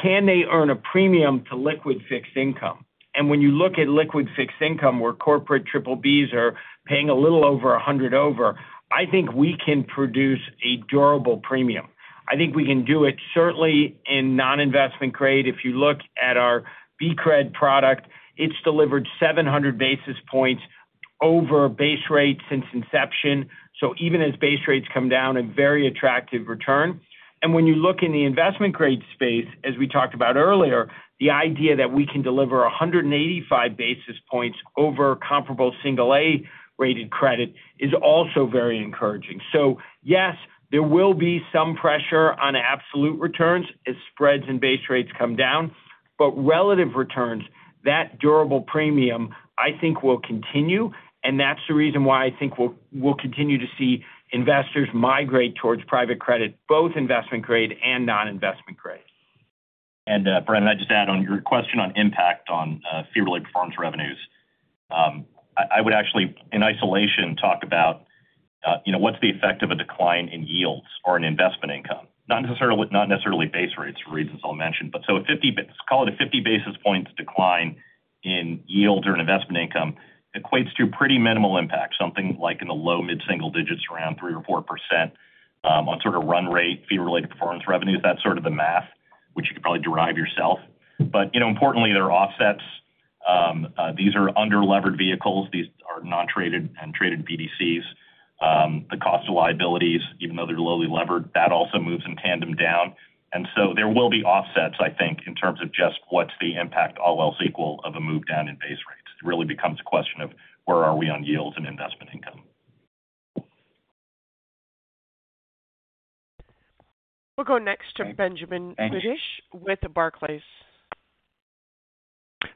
S4: Can they earn a premium to liquid fixed income? And when you look at liquid fixed income, where corporate triple Bs are paying a little over 100 over, I think we can produce a durable premium. I think we can do it certainly in non-investment grade. If you look at our BCRED product, it's delivered 700 basis points over base rate since inception, so even as base rates come down, a very attractive return. And when you look in the investment grade space, as we talked about earlier, the idea that we can deliver 185 basis points over comparable single A-rated credit is also very encouraging. So yes, there will be some pressure on absolute returns as spreads and base rates come down, but relative returns, that durable premium, I think, will continue, and that's the reason why I think we'll continue to see investors migrate towards private credit, both investment grade and non-investment grade.
S5: Brian, I'd just add on your question on impact on fee-related performance revenues. I would actually, in isolation, talk about, you know, what's the effect of a decline in yields or in investment income. Not necessarily base rates for reasons I'll mention. But so a fifty basis points decline in yield or investment income equates to pretty minimal impact, something like in the low mid-single digits, around 3% or 4%, on sort of run rate, fee-related performance revenues. That's sort of the math, which you could probably derive yourself. But, you know, importantly, there are offsets. These are under-levered vehicles. These are non-traded and traded BDCs. The cost of liabilities, even though they're lowly levered, that also moves in tandem down. And so there will be offsets, I think, in terms of just what's the impact, all else equal, of a move down in base rates. It really becomes a question of where are we on yields and investment income?
S1: We'll go next to Benjamin Budish.
S5: Thanks.
S1: With Barclays.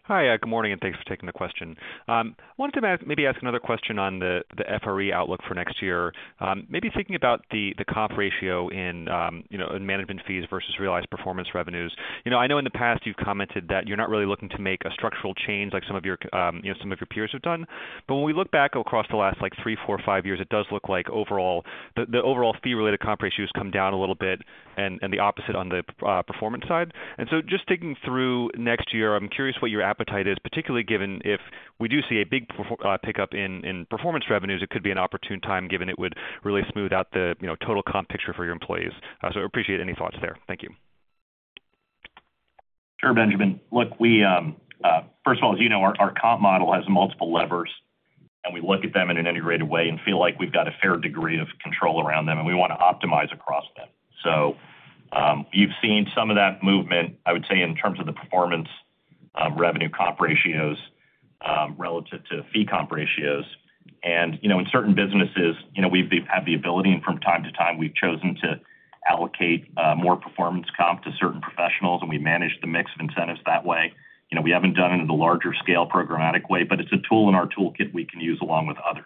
S14: Hi, good morning, and thanks for taking the question. Wanted to ask, maybe ask another question on the FRE outlook for next year. Maybe thinking about the comp ratio in, you know, in management fees versus realized performance revenues. You know, I know in the past you've commented that you're not really looking to make a structural change like some of your, you know, some of your peers have done. But when we look back across the last, like, three, four, five years, it does look like overall, the overall fee-related comp ratio has come down a little bit and the opposite on the performance side. And so just thinking through next year, I'm curious what your appetite is, particularly given if we do see a big performance pickup in performance revenues, it could be an opportune time, given it would really smooth out the, you know, total comp picture for your employees. So I appreciate any thoughts there. Thank you.
S5: Sure, Benjamin. Look, we, first of all, as you know, our comp model has multiple levers, and we look at them in an integrated way and feel like we've got a fair degree of control around them, and we wanna optimize across them. So, you've seen some of that movement, I would say, in terms of the performance of revenue comp ratios, relative to fee comp ratios. And, you know, in certain businesses, you know, we've had the ability, and from time to time, we've chosen to allocate, more performance comp to certain professionals, and we manage the mix of incentives that way. You know, we haven't done it at a larger scale, programmatic way, but it's a tool in our toolkit we can use along with others.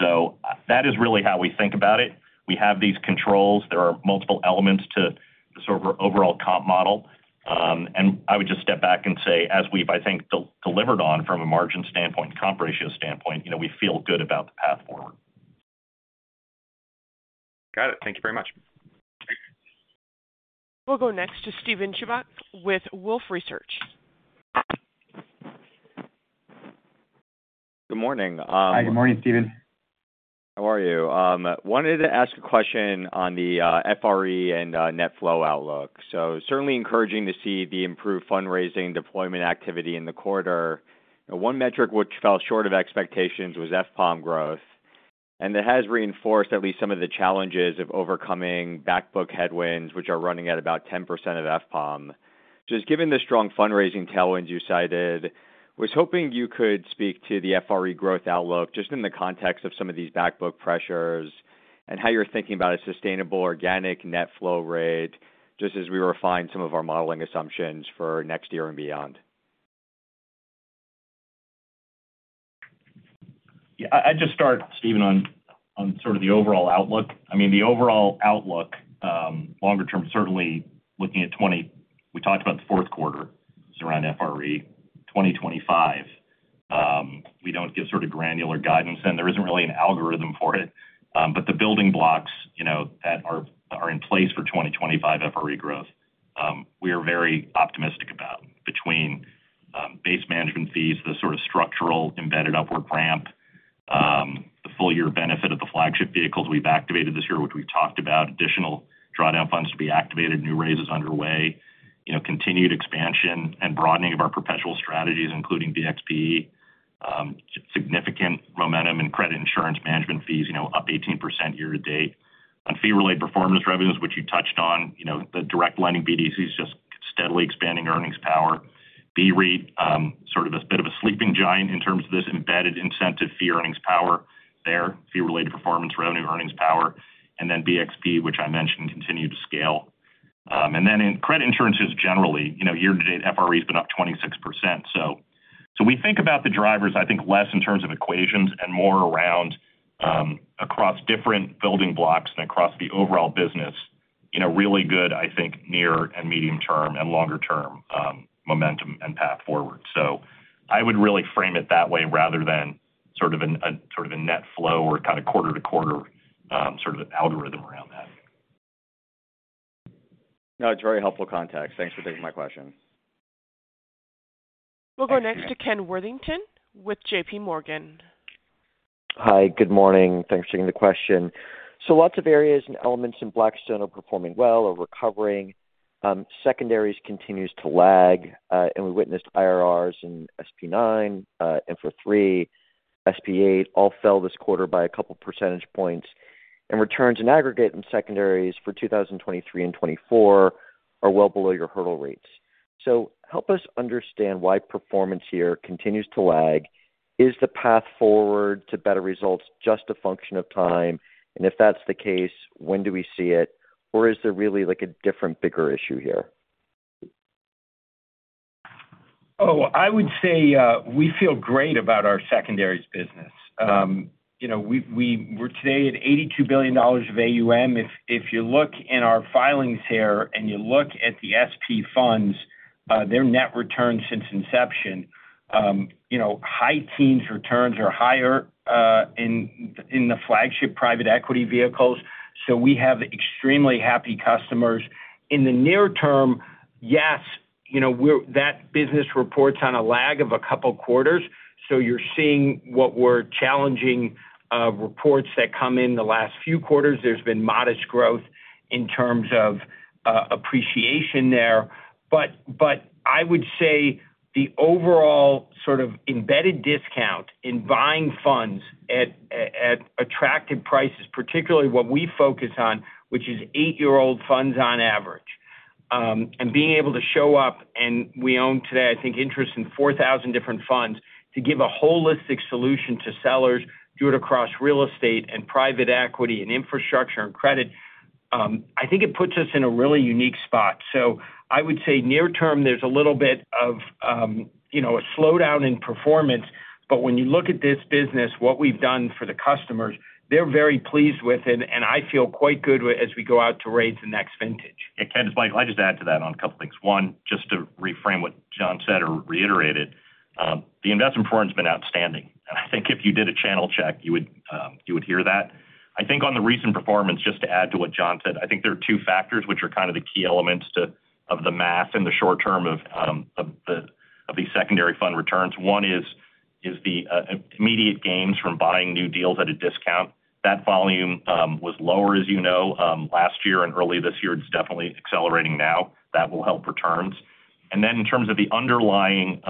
S5: So that is really how we think about it. We have these controls. There are multiple elements to the sort of overall comp model, and I would just step back and say, as we've, I think, delivered on from a margin standpoint, comp ratio standpoint, you know, we feel good about the path forward.
S14: Got it. Thank you very much.
S1: We'll go next to Steven Chubak with Wolfe Research.
S15: Good morning.
S5: Hi, good morning, Steven.
S15: How are you? Wanted to ask a question on the FRE and net flow outlook. So certainly encouraging to see the improved fundraising deployment activity in the quarter. One metric which fell short of expectations was FPAUM growth, and that has reinforced at least some of the challenges of overcoming back book headwinds, which are running at about 10% of FPAUM. Just given the strong fundraising tailwinds you cited, was hoping you could speak to the FRE growth outlook, just in the context of some of these back book pressures, and how you're thinking about a sustainable organic net flow rate, just as we refine some of our modeling assumptions for next year and beyond.
S5: Yeah, I'd just start, Steven, on sort of the overall outlook. I mean, the overall outlook, longer term, certainly looking at 2025. We talked about the fourth quarter, so around FRE 2025. We don't give sort of granular guidance, and there isn't really an algorithm for it, but the building blocks, you know, that are in place for 2025 FRE growth, we are very optimistic about. Between, base management fees, the sort of structural embedded upward ramp, the full year benefit of the flagship vehicles we've activated this year, which we've talked about, additional drawdown funds to be activated, new raises underway, you know, continued expansion and broadening of our perpetual strategies, including BXPE, significant momentum and credit insurance management fees, you know, up 18% year to date. On fee-related performance revenues, which you touched on, you know, the direct lending BDCs, just steadily expanding earnings power. BREIT, sort of a bit of a sleeping giant in terms of this embedded incentive, fee earnings power there, fee-related performance revenue earnings power, and then BXPE, which I mentioned, continue to scale. And then in credit and insurance generally, you know, year-to-date FRE has been up 26%. So, so we think about the drivers, I think, less in terms of equations and more around, across different building blocks and across the overall business in a really good, I think, near- and medium-term and longer-term, momentum and path forward. So I would really frame it that way rather than sort of an, a, sort of a net flow or kind of quarter-to-quarter, sort of algorithm around that.
S15: No, it's very helpful context. Thanks for taking my question.
S1: We'll go next to Ken Worthington with JPMorgan.
S16: Hi, good morning. Thanks for taking the question. So lots of areas and elements in Blackstone are performing well or recovering. Secondaries continues to lag, and we witnessed IRRs in SP IX, Infra III, SP VIII, all fell this quarter by a couple percentage points, and returns in aggregate and secondaries for 2023 and 2024 are well below your hurdle rates. So help us understand why performance here continues to lag. Is the path forward to better results just a function of time? And if that's the case, when do we see it? Or is there really, like, a different, bigger issue here?
S4: Oh, I would say, we feel great about our secondaries business. You know, we're today at $82 billion of AUM. If you look in our filings here, and you look at the SP funds, their net returns since inception, you know, high teens returns are higher, in the flagship private equity vehicles, so we have extremely happy customers. In the near term, yes, you know, we're that business reports on a lag of a couple quarters, so you're seeing what were challenging, reports that come in the last few quarters. There's been modest growth in terms of, appreciation there. But I would say the overall sort of embedded discount in buying funds at attractive prices, particularly what we focus on, which is eight-year-old funds on average, and being able to show up, and we own today, I think, interest in 4,000 different funds, to give a holistic solution to sellers, do it across real estate and private equity and infrastructure and credit. I think it puts us in a really unique spot. So I would say near term, there's a little bit of, you know, a slowdown in performance, but when you look at this business, what we've done for the customers, they're very pleased with it, and I feel quite good as we go out to raise the next vintage.
S5: Ken, Mike, I'll just add to that on a couple things. One, just to reframe what Jon said or reiterate it, the investment forms been outstanding, and I think if you did a channel check, you would hear that. I think on the recent performance, just to add to what Jon said, I think there are two factors which are kind of the key elements to the math in the short term of these secondary fund returns. One is the immediate gains from buying new deals at a discount. That volume was lower, as you know, last year and early this year. It's definitely accelerating now. That will help returns. And then in terms of the underlying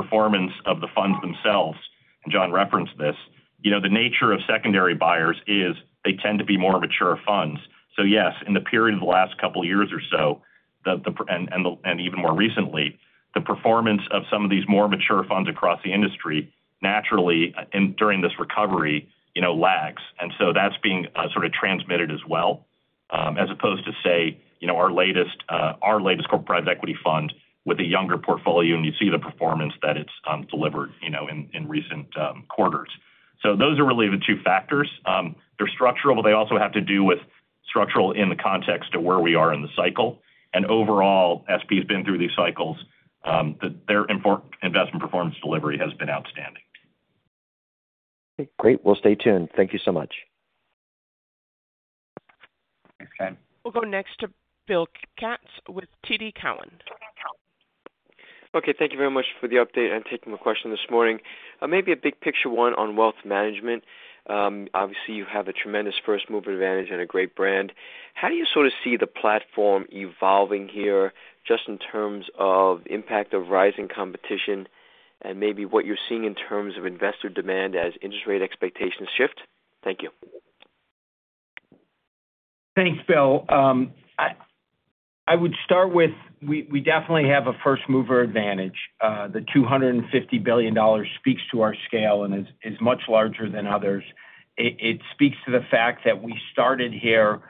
S5: performance of the funds themselves, and Jon referenced this, you know, the nature of secondary buyers is they tend to be more mature funds. So yes, in the period of the last couple of years or so, and even more recently, the performance of some of these more mature funds across the industry, naturally during this recovery, you know, lags. And so that's being sort of transmitted as well, as opposed to, say, you know, our latest corporate private equity fund with a younger portfolio, and you see the performance that it's delivered, you know, in recent quarters. So those are really the two factors. They're structural, but they also have to do with structural in the context of where we are in the cycle. Overall, SP has been through these cycles. Their investment performance delivery has been outstanding.
S16: Great. We'll stay tuned. Thank you so much.
S5: Thanks, Ken.
S1: We'll go next to Bill Katz with TD Cowen.
S17: Okay, thank you very much for the update and taking my question this morning. Maybe a big picture, one on wealth management. Obviously, you have a tremendous first mover advantage and a great brand. How do you sort of see the platform evolving here, just in terms of impact of rising competition and maybe what you're seeing in terms of investor demand as interest rate expectations shift? Thank you.
S3: Thanks, Bill. I would start with, we definitely have a first mover advantage. The $250 billion speaks to our scale and is much larger than others. It speaks to the fact that we started here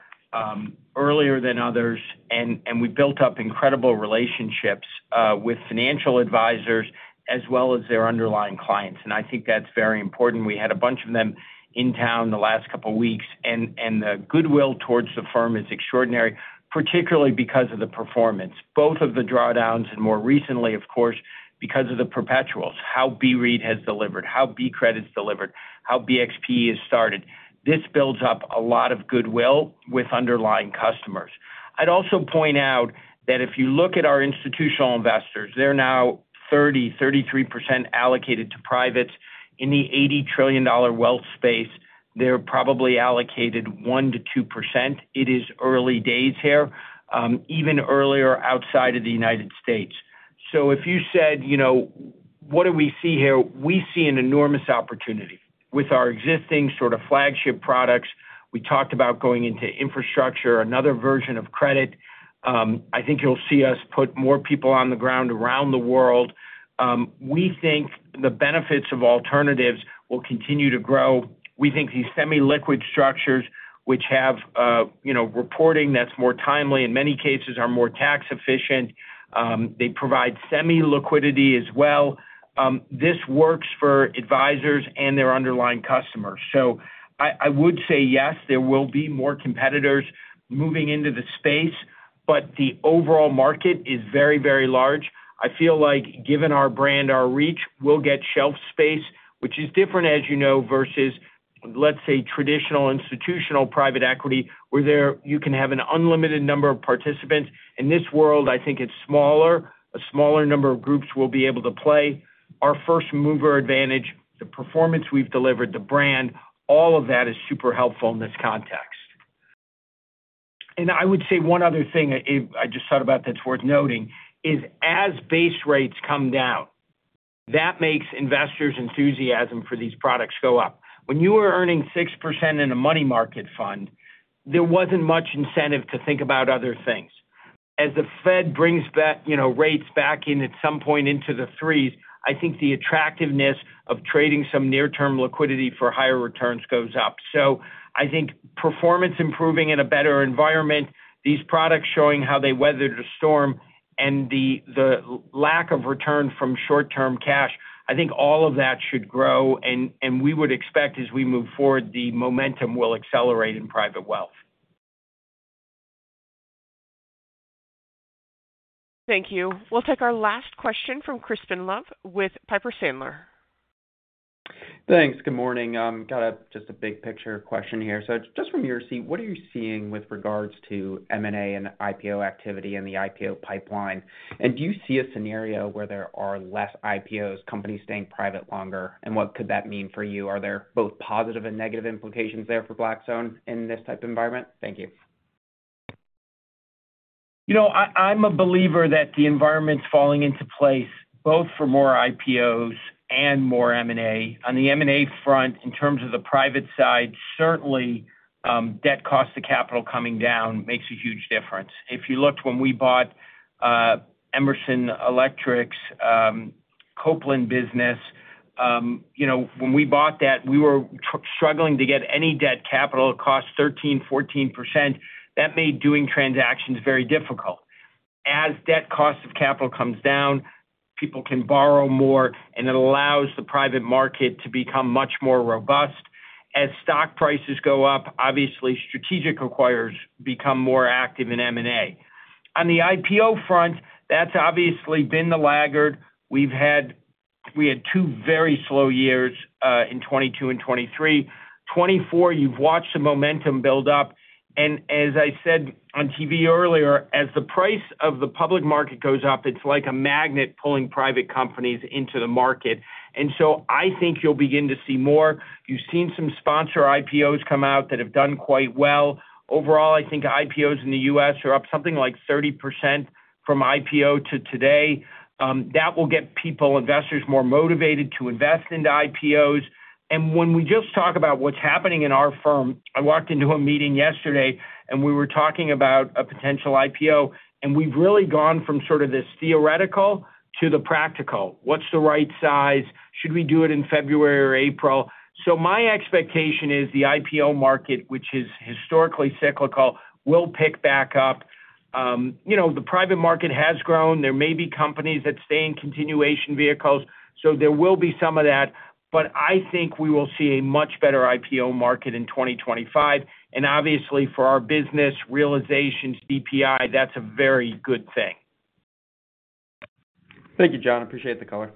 S3: earlier than others, and we built up incredible relationships with financial advisors as well as their underlying clients, and I think that's very important. We had a bunch of them in town the last couple weeks, and the goodwill towards the firm is extraordinary, particularly because of the performance, both of the drawdowns and more recently, of course, because of the perpetuals, how BREIT has delivered, how BCRED delivered, how BXPE has started. This builds up a lot of goodwill with underlying customers. I'd also point out that if you look at our institutional investors, they're now 33% allocated to privates. In the $80 trillion wealth space, they're probably allocated 1%-2%. It is early days here, even earlier outside of the United States. So if you said, you know, "What do we see here?" We see an enormous opportunity with our existing sort of flagship products. We talked about going into infrastructure, another version of credit. I think you'll see us put more people on the ground around the world. We think the benefits of alternatives will continue to grow. We think these semi-liquid structures, which have, you know, reporting that's more timely, in many cases are more tax efficient, they provide semi-liquidity as well. This works for advisors and their underlying customers. So I, I would say, yes, there will be more competitors moving into the space, but the overall market is very, very large. I feel like given our brand, our reach, we'll get shelf space, which is different, as you know, versus, let's say, traditional institutional private equity, where there you can have an unlimited number of participants. In this world, I think it's smaller. A smaller number of groups will be able to play. Our first mover advantage, the performance we've delivered, the brand, all of that is super helpful in this context.
S4: And I would say one other thing, Abe, I just thought about that's worth noting, is as base rates come down, that makes investors' enthusiasm for these products go up. When you were earning 6% in a money market fund, there wasn't much incentive to think about other things. As the Fed brings back, you know, rates back in at some point into the threes, I think the attractiveness of trading some near-term liquidity for higher returns goes up. So I think performance improving in a better environment, these products showing how they weathered the storm and the lack of return from short-term cash, I think all of that should grow, and we would expect as we move forward, the momentum will accelerate in private wealth.
S1: Thank you. We'll take our last question from Crispin Love with Piper Sandler.
S18: Thanks. Good morning. Got just a big picture question here. So just from your seat, what are you seeing with regards to M&A and IPO activity in the IPO pipeline? And do you see a scenario where there are less IPOs, companies staying private longer, and what could that mean for you? Are there both positive and negative implications there for Blackstone in this type of environment? Thank you.
S4: You know, I'm a believer that the environment's falling into place, both for more IPOs and more M&A. On the M&A front, in terms of the private side, certainly, debt cost of capital coming down makes a huge difference. If you looked when we bought Emerson Electric's Copeland business, you know, when we bought that, we were struggling to get any debt capital. It cost 13%-14%. That made doing transactions very difficult. As debt cost of capital comes down, people can borrow more, and it allows the private market to become much more robust. As stock prices go up, obviously, strategic acquirers become more active in M&A. On the IPO front, that's obviously been the laggard. We had two very slow years in 2022 and 2023. 2024, you've watched the momentum build up, and as I said on TV earlier, as the price of the public market goes up, it's like a magnet pulling private companies into the market. And so I think you'll begin to see more. You've seen some sponsor IPOs come out that have done quite well. Overall, I think IPOs in the U.S. are up something like 30% from IPO to today. That will get people, investors, more motivated to invest into IPOs. And when we just talk about what's happening in our firm, I walked into a meeting yesterday, and we were talking about a potential IPO, and we've really gone from sort of the theoretical to the practical. What's the right size? Should we do it in February or April? So my expectation is the IPO market, which is historically cyclical, will pick back up. You know, the private market has grown. There may be companies that stay in continuation vehicles, so there will be some of that, but I think we will see a much better IPO market in 2025, and obviously for our business, realizations, DPI, that's a very good thing.
S18: Thank you, Jon. I appreciate the color.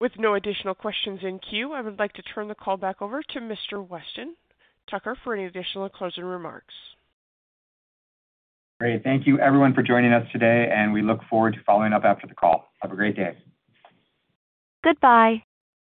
S1: With no additional questions in queue, I would like to turn the call back over to Mr. Weston Tucker for any additional closing remarks.
S2: Great. Thank you everyone for joining us today, and we look forward to following up after the call. Have a great day.
S1: Goodbye.